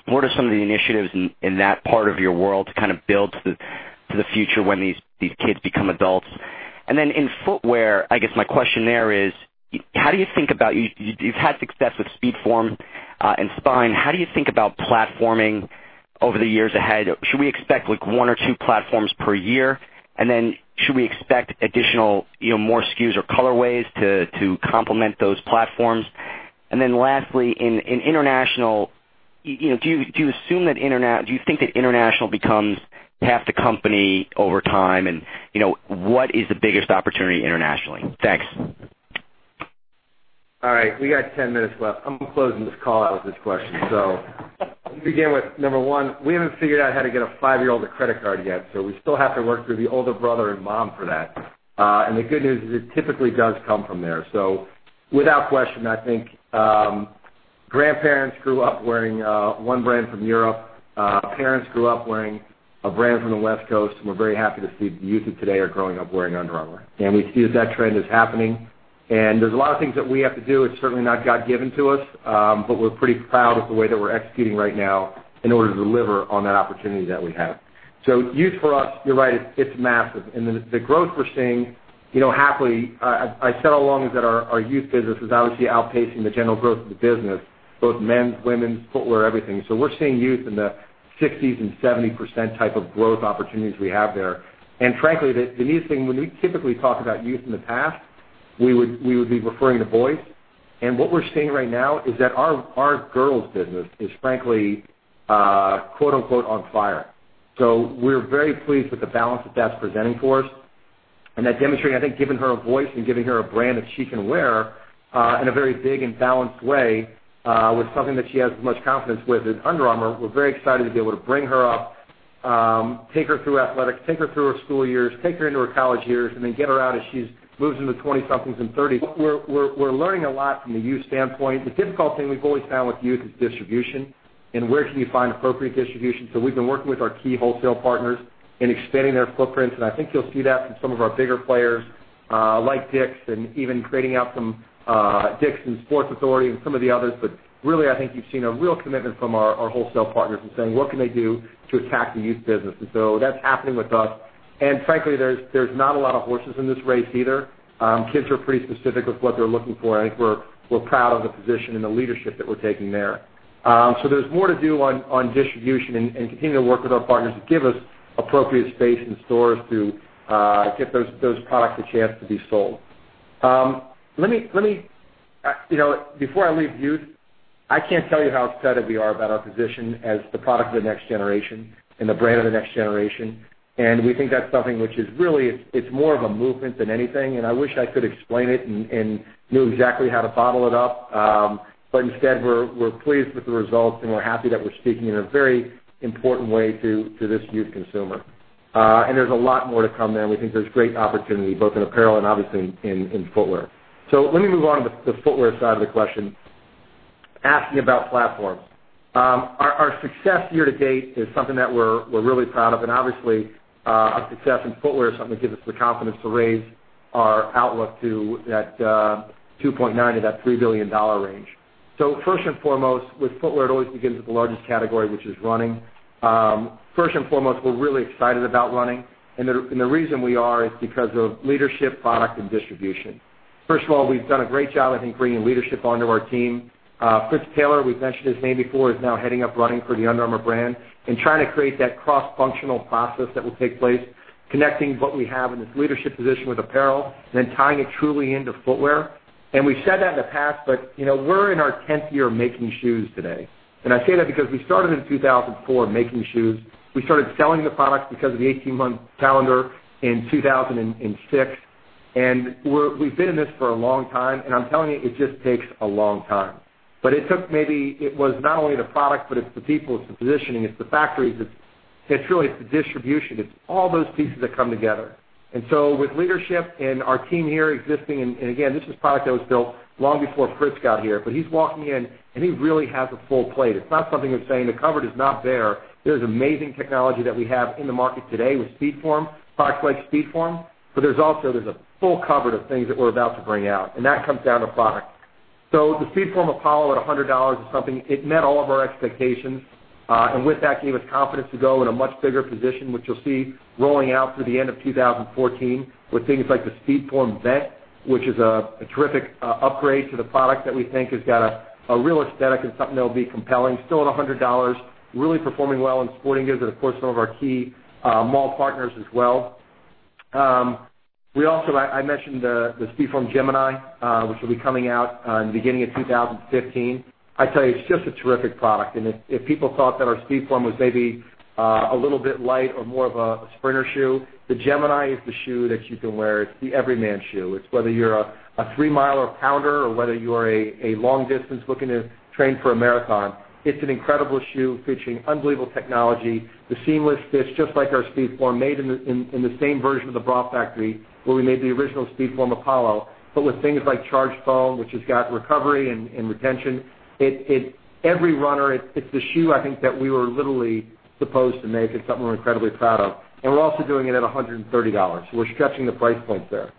what are some of the initiatives in that part of your world to build to the future when these kids become adults? In footwear, I guess my question there is, you've had success with SpeedForm and Spine. How do you think about platforming over the years ahead? Should we expect one or two platforms per year? Should we expect additional more SKUs or colorways to complement those platforms? Lastly, in international, do you think that international becomes half the company over time? What is the biggest opportunity internationally? Thanks. All right, we got 10 minutes left. I'm closing this call out with this question. Let me begin with number one. We haven't figured out how to get a five-year-old a credit card yet, so we still have to work through the older brother and mom for that. The good news is it typically does come from there. Without question, I think grandparents grew up wearing one brand from Europe. Parents grew up wearing a brand from the West Coast, and we're very happy to see the youth of today are growing up wearing Under Armour. We see that trend is happening. There's a lot of things that we have to do. It's certainly not God-given to us, but we're pretty proud of the way that we're executing right now in order to deliver on that opportunity that we have. Youth for us, you're right, it's massive. The growth we're seeing, happily, I said how long is that our youth business is obviously outpacing the general growth of the business, both men's, women's, footwear, everything. We're seeing youth in the 60% and 70% type of growth opportunities we have there. Frankly, the neatest thing, when we typically talk about youth in the past, we would be referring to boys. What we're seeing right now is that our girls business is frankly, "on fire." We're very pleased with the balance that that's presenting for us and that demonstrating, I think, giving her a voice and giving her a brand that she can wear in a very big and balanced way with something that she has as much confidence with as Under Armour. We're very excited to be able to bring her up, take her through athletics, take her through her school years, take her into her college years, and then get her out as she moves into 20-somethings and 30. We're learning a lot from the youth standpoint. The difficult thing we've always found with youth is distribution and where can you find appropriate distribution. We've been working with our key wholesale partners in expanding their footprints, and I think you'll see that from some of our bigger players like DICK'S and even creating out some DICK'S and The Sports Authority and some of the others. Really, I think you've seen a real commitment from our wholesale partners in saying, what can they do to attack the youth business? That's happening with us. Frankly, there's not a lot of horses in this race either. Kids are pretty specific with what they're looking for, and I think we're proud of the position and the leadership that we're taking there. There's more to do on distribution and continuing to work with our partners to give us appropriate space in stores to give those products a chance to be sold. Before I leave youth, I can't tell you how excited we are about our position as the product of the next generation and the brand of the next generation. We think that's something which is really, it's more of a movement than anything, and I wish I could explain it and knew exactly how to bottle it up. Instead, we're pleased with the results, and we're happy that we're speaking in a very important way to this youth consumer. There's a lot more to come there, and we think there's great opportunity, both in apparel and obviously in footwear. Let me move on to the footwear side of the question, asking about platforms. Our success year-to-date is something that we're really proud of. Obviously, our success in footwear is something that gives us the confidence to raise our outlook to that $2.9 billion-$3 billion range. First and foremost, with footwear, it always begins with the largest category, which is running. First and foremost, we're really excited about running, and the reason we are is because of leadership, product, and distribution. First of all, we've done a great job, I think, bringing leadership onto our team. Fritz Taylor, we've mentioned his name before, is now heading up running for the Under Armour brand and trying to create that cross-functional process that will take place, connecting what we have in this leadership position with apparel, then tying it truly into footwear. We've said that in the past, but we're in our 10th year of making shoes today. I say that because we started in 2004 making shoes. We started selling the product because of the 18-month calendar in 2006. We've been in this for a long time, and I'm telling you, it just takes a long time. It took maybe, it was not only the product, but it's the people, it's the positioning, it's the factories, it's truly the distribution. It's all those pieces that come together. With leadership and our team here existing, and again, this is product that was built long before Fritz got here, but he's walking in, and he really has a full plate. It's not something that's saying the cupboard is not there. There's amazing technology that we have in the market today with SpeedForm, products like SpeedForm, but there's also a full cupboard of things that we're about to bring out, and that comes down to product. The SpeedForm Apollo at $100 is something, it met all of our expectations. With that, gave us confidence to go in a much bigger position, which you'll see rolling out through the end of 2014 with things like the SpeedForm Vent, which is a terrific upgrade to the product that we think has got a real aesthetic and something that'll be compelling. Still at $100, really performing well in sporting goods and, of course, some of our key mall partners as well. I mentioned the SpeedForm Gemini, which will be coming out in the beginning of 2015. I tell you, it's just a terrific product, and if people thought that our SpeedForm was maybe a little bit light or more of a sprinter shoe, the Gemini is the shoe that you can wear. It's the everyman shoe. It's whether you're a three-miler pounder or whether you are a long-distance looking to train for a marathon. It's an incredible shoe featuring unbelievable technology. The seamless fit, just like our SpeedForm, made in the same version of the bra factory where we made the original SpeedForm Apollo, but with things like Charged foam, which has got recovery and retention. Every runner, it's the shoe I think that we were literally supposed to make. It's something we're incredibly proud of. We're also doing it at $130. We're stretching the price points there.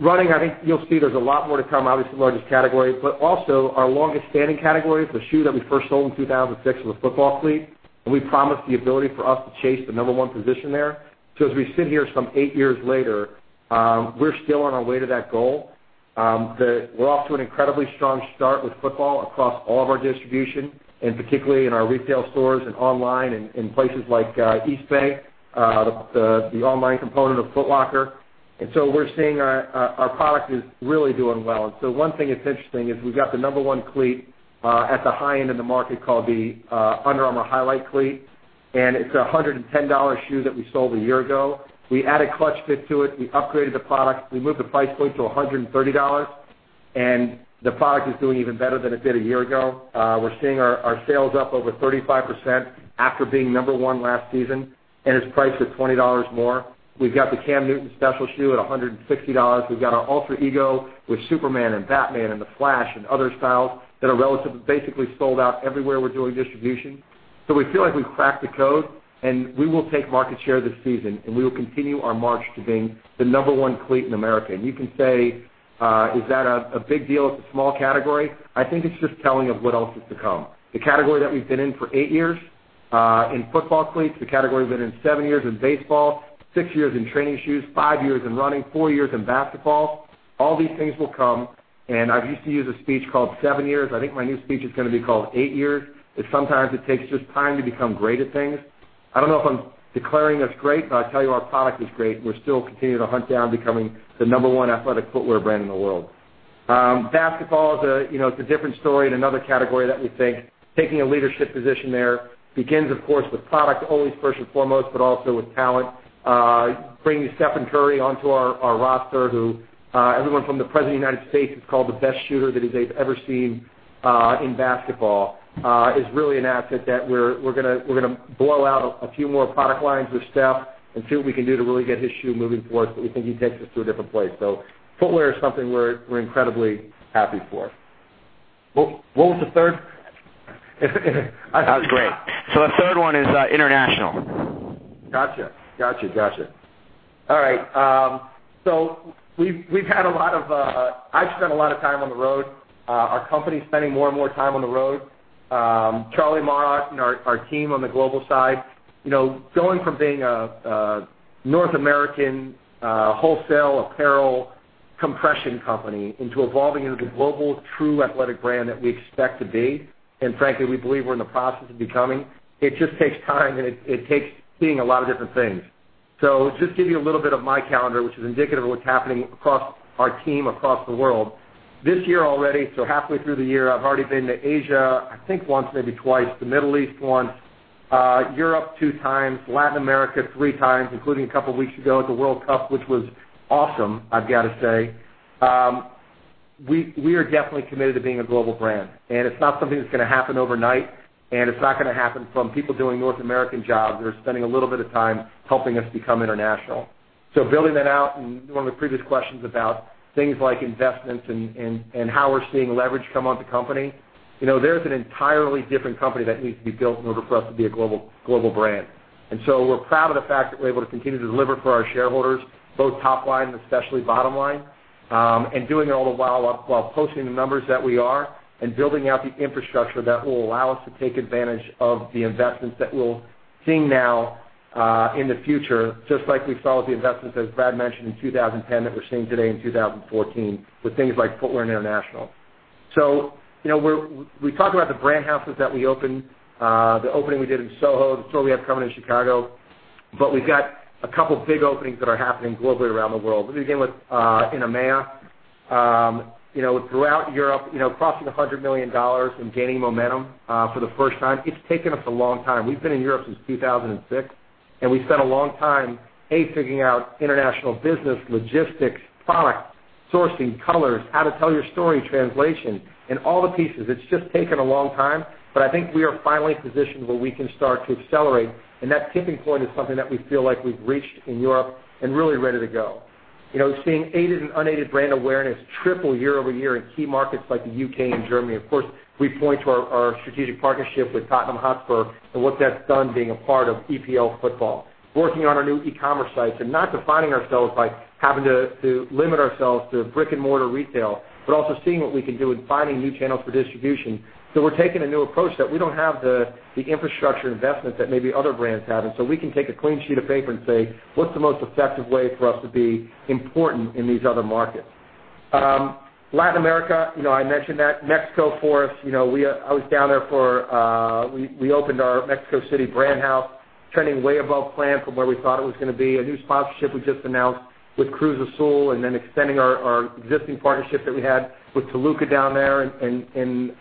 Running, I think you'll see there's a lot more to come. Obviously, the largest category, but also our longest-standing category. It's a shoe that we first sold in 2006 in the football cleat, and we promised the ability for us to chase the number 1 position there. As we sit here some 8 years later, we're still on our way to that goal. We're off to an incredibly strong start with football across all of our distribution, and particularly in our retail stores and online in places like Eastbay, the online component of Foot Locker. We're seeing our product is really doing well. One thing that's interesting is we've got the number 1 cleat at the high end of the market called the Under Armour Highlight cleat, and it's a $110 shoe that we sold a year ago. We added ClutchFit to it. We upgraded the product. We moved the price point to $130, and the product is doing even better than it did a year ago. We're seeing our sales up over 35% after being number 1 last season, and it's priced at $20 more. We've got the Cam Newton special shoe at $160. We've got our Alter Ego with Superman and Batman and The Flash and other styles that are relatively basically sold out everywhere we're doing distribution. We feel like we've cracked the code, and we will take market share this season, and we will continue our march to being the number 1 cleat in America. You can say, is that a big deal? It's a small category. I think it's just telling of what else is to come. The category that we've been in for 8 years in football cleats, the category we've been in 7 years in baseball, 6 years in training shoes, 5 years in running, 4 years in basketball, all these things will come, and I used to use a speech called "7 Years." I think my new speech is going to be called "8 Years." Sometimes it takes just time to become great at things. I don't know if I'm declaring us great, but I tell you, our product is great, and we're still continuing to hunt down becoming the number 1 athletic footwear brand in the world. Basketball is a different story and another category that we think taking a leadership position there begins, of course, with product always first and foremost, but also with talent. Bringing Stephen Curry onto our roster, who everyone from the President of the U.S. has called the best shooter that they've ever seen in basketball, is really an asset that we're going to blow out a few more product lines with Steph and see what we can do to really get his shoe moving for us. We think he takes us to a different place. Footwear is something we're incredibly happy for. What was the third? That was great. The third one is international. Got you. All right. I've spent a lot of time on the road. Our company's spending more and more time on the road. Charlie Morrow and our team on the global side, going from being a North American wholesale apparel compression company into evolving into the global true athletic brand that we expect to be, and frankly, we believe we're in the process of becoming. It just takes time, and it takes seeing a lot of different things. Just to give you a little bit of my calendar, which is indicative of what's happening across our team, across the world. This year already, halfway through the year, I've already been to Asia, I think once, maybe twice, the Middle East once, Europe two times, Latin America three times, including a couple of weeks ago at the World Cup, which was awesome, I've got to say. We are definitely committed to being a global brand, and it's not something that's going to happen overnight, and it's not going to happen from people doing North American jobs or spending a little bit of time helping us become international. Building that out, and one of the previous questions about things like investments and how we're seeing leverage come on to company. There's an entirely different company that needs to be built in order for us to be a global brand. We're proud of the fact that we're able to continue to deliver for our shareholders, both top line and especially bottom line, and doing it all the while posting the numbers that we are and building out the infrastructure that will allow us to take advantage of the investments that we'll see now in the future, just like we saw with the investments, as Brad mentioned, in 2010 that we're seeing today in 2014 with things like Footwear International. We talk about the Brand Houses that we opened, the opening we did in Soho, the store we have coming in Chicago, but we've got a couple big openings that are happening globally around the world. Let me begin with in EMEA. Throughout Europe, crossing the $100 million and gaining momentum for the first time, it's taken us a long time. We've been in Europe since 2006. We spent a long time figuring out international business, logistics, product, sourcing, colors, how to tell your story, translation, and all the pieces. It's just taken a long time, but I think we are finally positioned where we can start to accelerate, and that tipping point is something that we feel like we've reached in Europe and really ready to go. Seeing aided and unaided brand awareness triple year-over-year in key markets like the U.K. and Germany. Of course, we point to our strategic partnership with Tottenham Hotspur and what that's done being a part of EPL Football. Working on our new e-commerce sites and not defining ourselves by having to limit ourselves to brick-and-mortar retail, but also seeing what we can do in finding new channels for distribution. We're taking a new approach that we don't have the infrastructure investments that maybe other brands have, so we can take a clean sheet of paper and say, "What's the most effective way for us to be important in these other markets?" Latin America, I mentioned that. Mexico for us, I was down there for. We opened our Mexico City Brand House, trending way above plan from where we thought it was going to be. A new sponsorship we just announced with Cruz Azul, and then extending our existing partnership that we had with Toluca down there in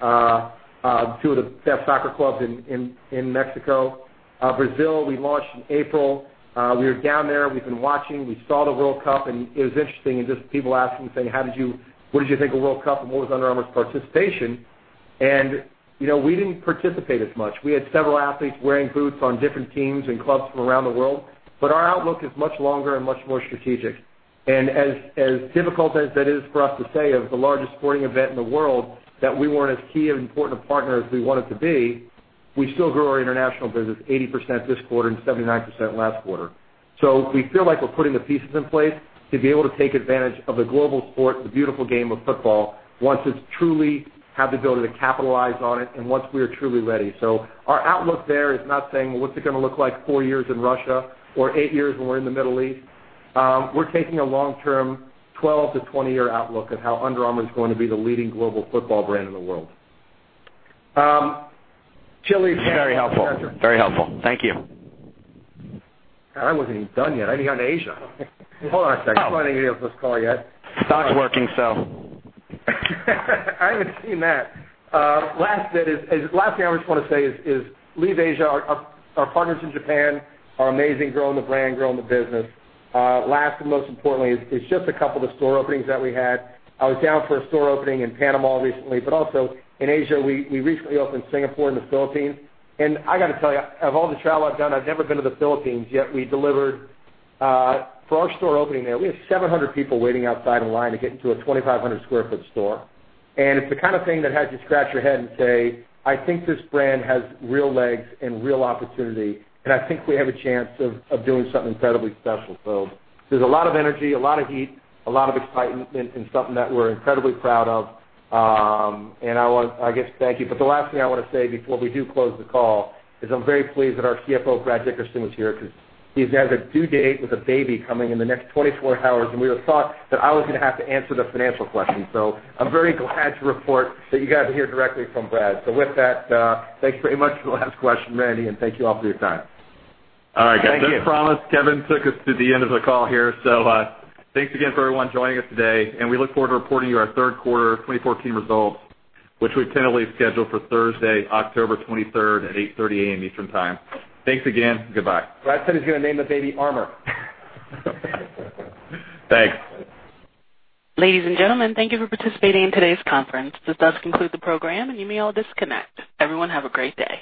two of the best soccer clubs in Mexico. Brazil, we launched in April. We were down there. We've been watching. We saw the World Cup. It was interesting, and just people asking, saying, "What did you think of World Cup and what was Under Armour's participation?" We didn't participate as much. We had several athletes wearing boots on different teams and clubs from around the world, but our outlook is much longer and much more strategic. As difficult as that is for us to say of the largest sporting event in the world that we weren't as key of an important a partner as we wanted to be, we still grew our international business 80% this quarter and 79% last quarter. We feel like we're putting the pieces in place to be able to take advantage of the global sport, the beautiful game of football, once it's truly have the ability to capitalize on it and once we are truly ready. Our outlook there is not saying, "Well, what's it going to look like four years in Russia or eight years when we're in the Middle East?" We're taking a long-term, 12-20 year outlook of how Under Armour is going to be the leading global football brand in the world. Chile. Very helpful. Thank you. God, I wasn't even done yet. I haven't even gotten to Asia. Hold on a second. Somebody else on this call yet? Stock's working. I haven't seen that. Last thing I just want to say is leave Asia, our partners in Japan are amazing, growing the brand, growing the business. Last and most importantly is just a couple of store openings that we had. I was down for a store opening in Panama recently, but also in Asia, we recently opened Singapore and the Philippines, and I got to tell you, of all the travel I've done, I've never been to the Philippines, yet we delivered. For our store opening there, we had 700 people waiting outside in line to get into a 2,500 sq ft store, and it's the kind of thing that has you scratch your head and say, "I think this brand has real legs and real opportunity, and I think we have a chance of doing something incredibly special." There's a lot of energy, a lot of heat, a lot of excitement in something that we're incredibly proud of. I guess, thank you. The last thing I want to say before we do close the call is I'm very pleased that our CFO, Brad Dickerson, was here because he's got a due date with a baby coming in the next 24 hours, and we had thought that I was going to have to answer the financial questions. I'm very glad to report that you got to hear directly from Brad. With that, thanks very much for the last question, Randy, and thank you all for your time. All right, guys. Thank you. As promised, Kevin took us to the end of the call here. Thanks again for everyone joining us today, and we look forward to reporting you our third quarter 2014 results, which we've tentatively scheduled for Thursday, October 23rd at 8:30 A.M. Eastern Time. Thanks again. Goodbye. Brad said he's going to name the baby Armour. Thanks. Ladies and gentlemen, thank you for participating in today's conference. This does conclude the program, and you may all disconnect. Everyone have a great day.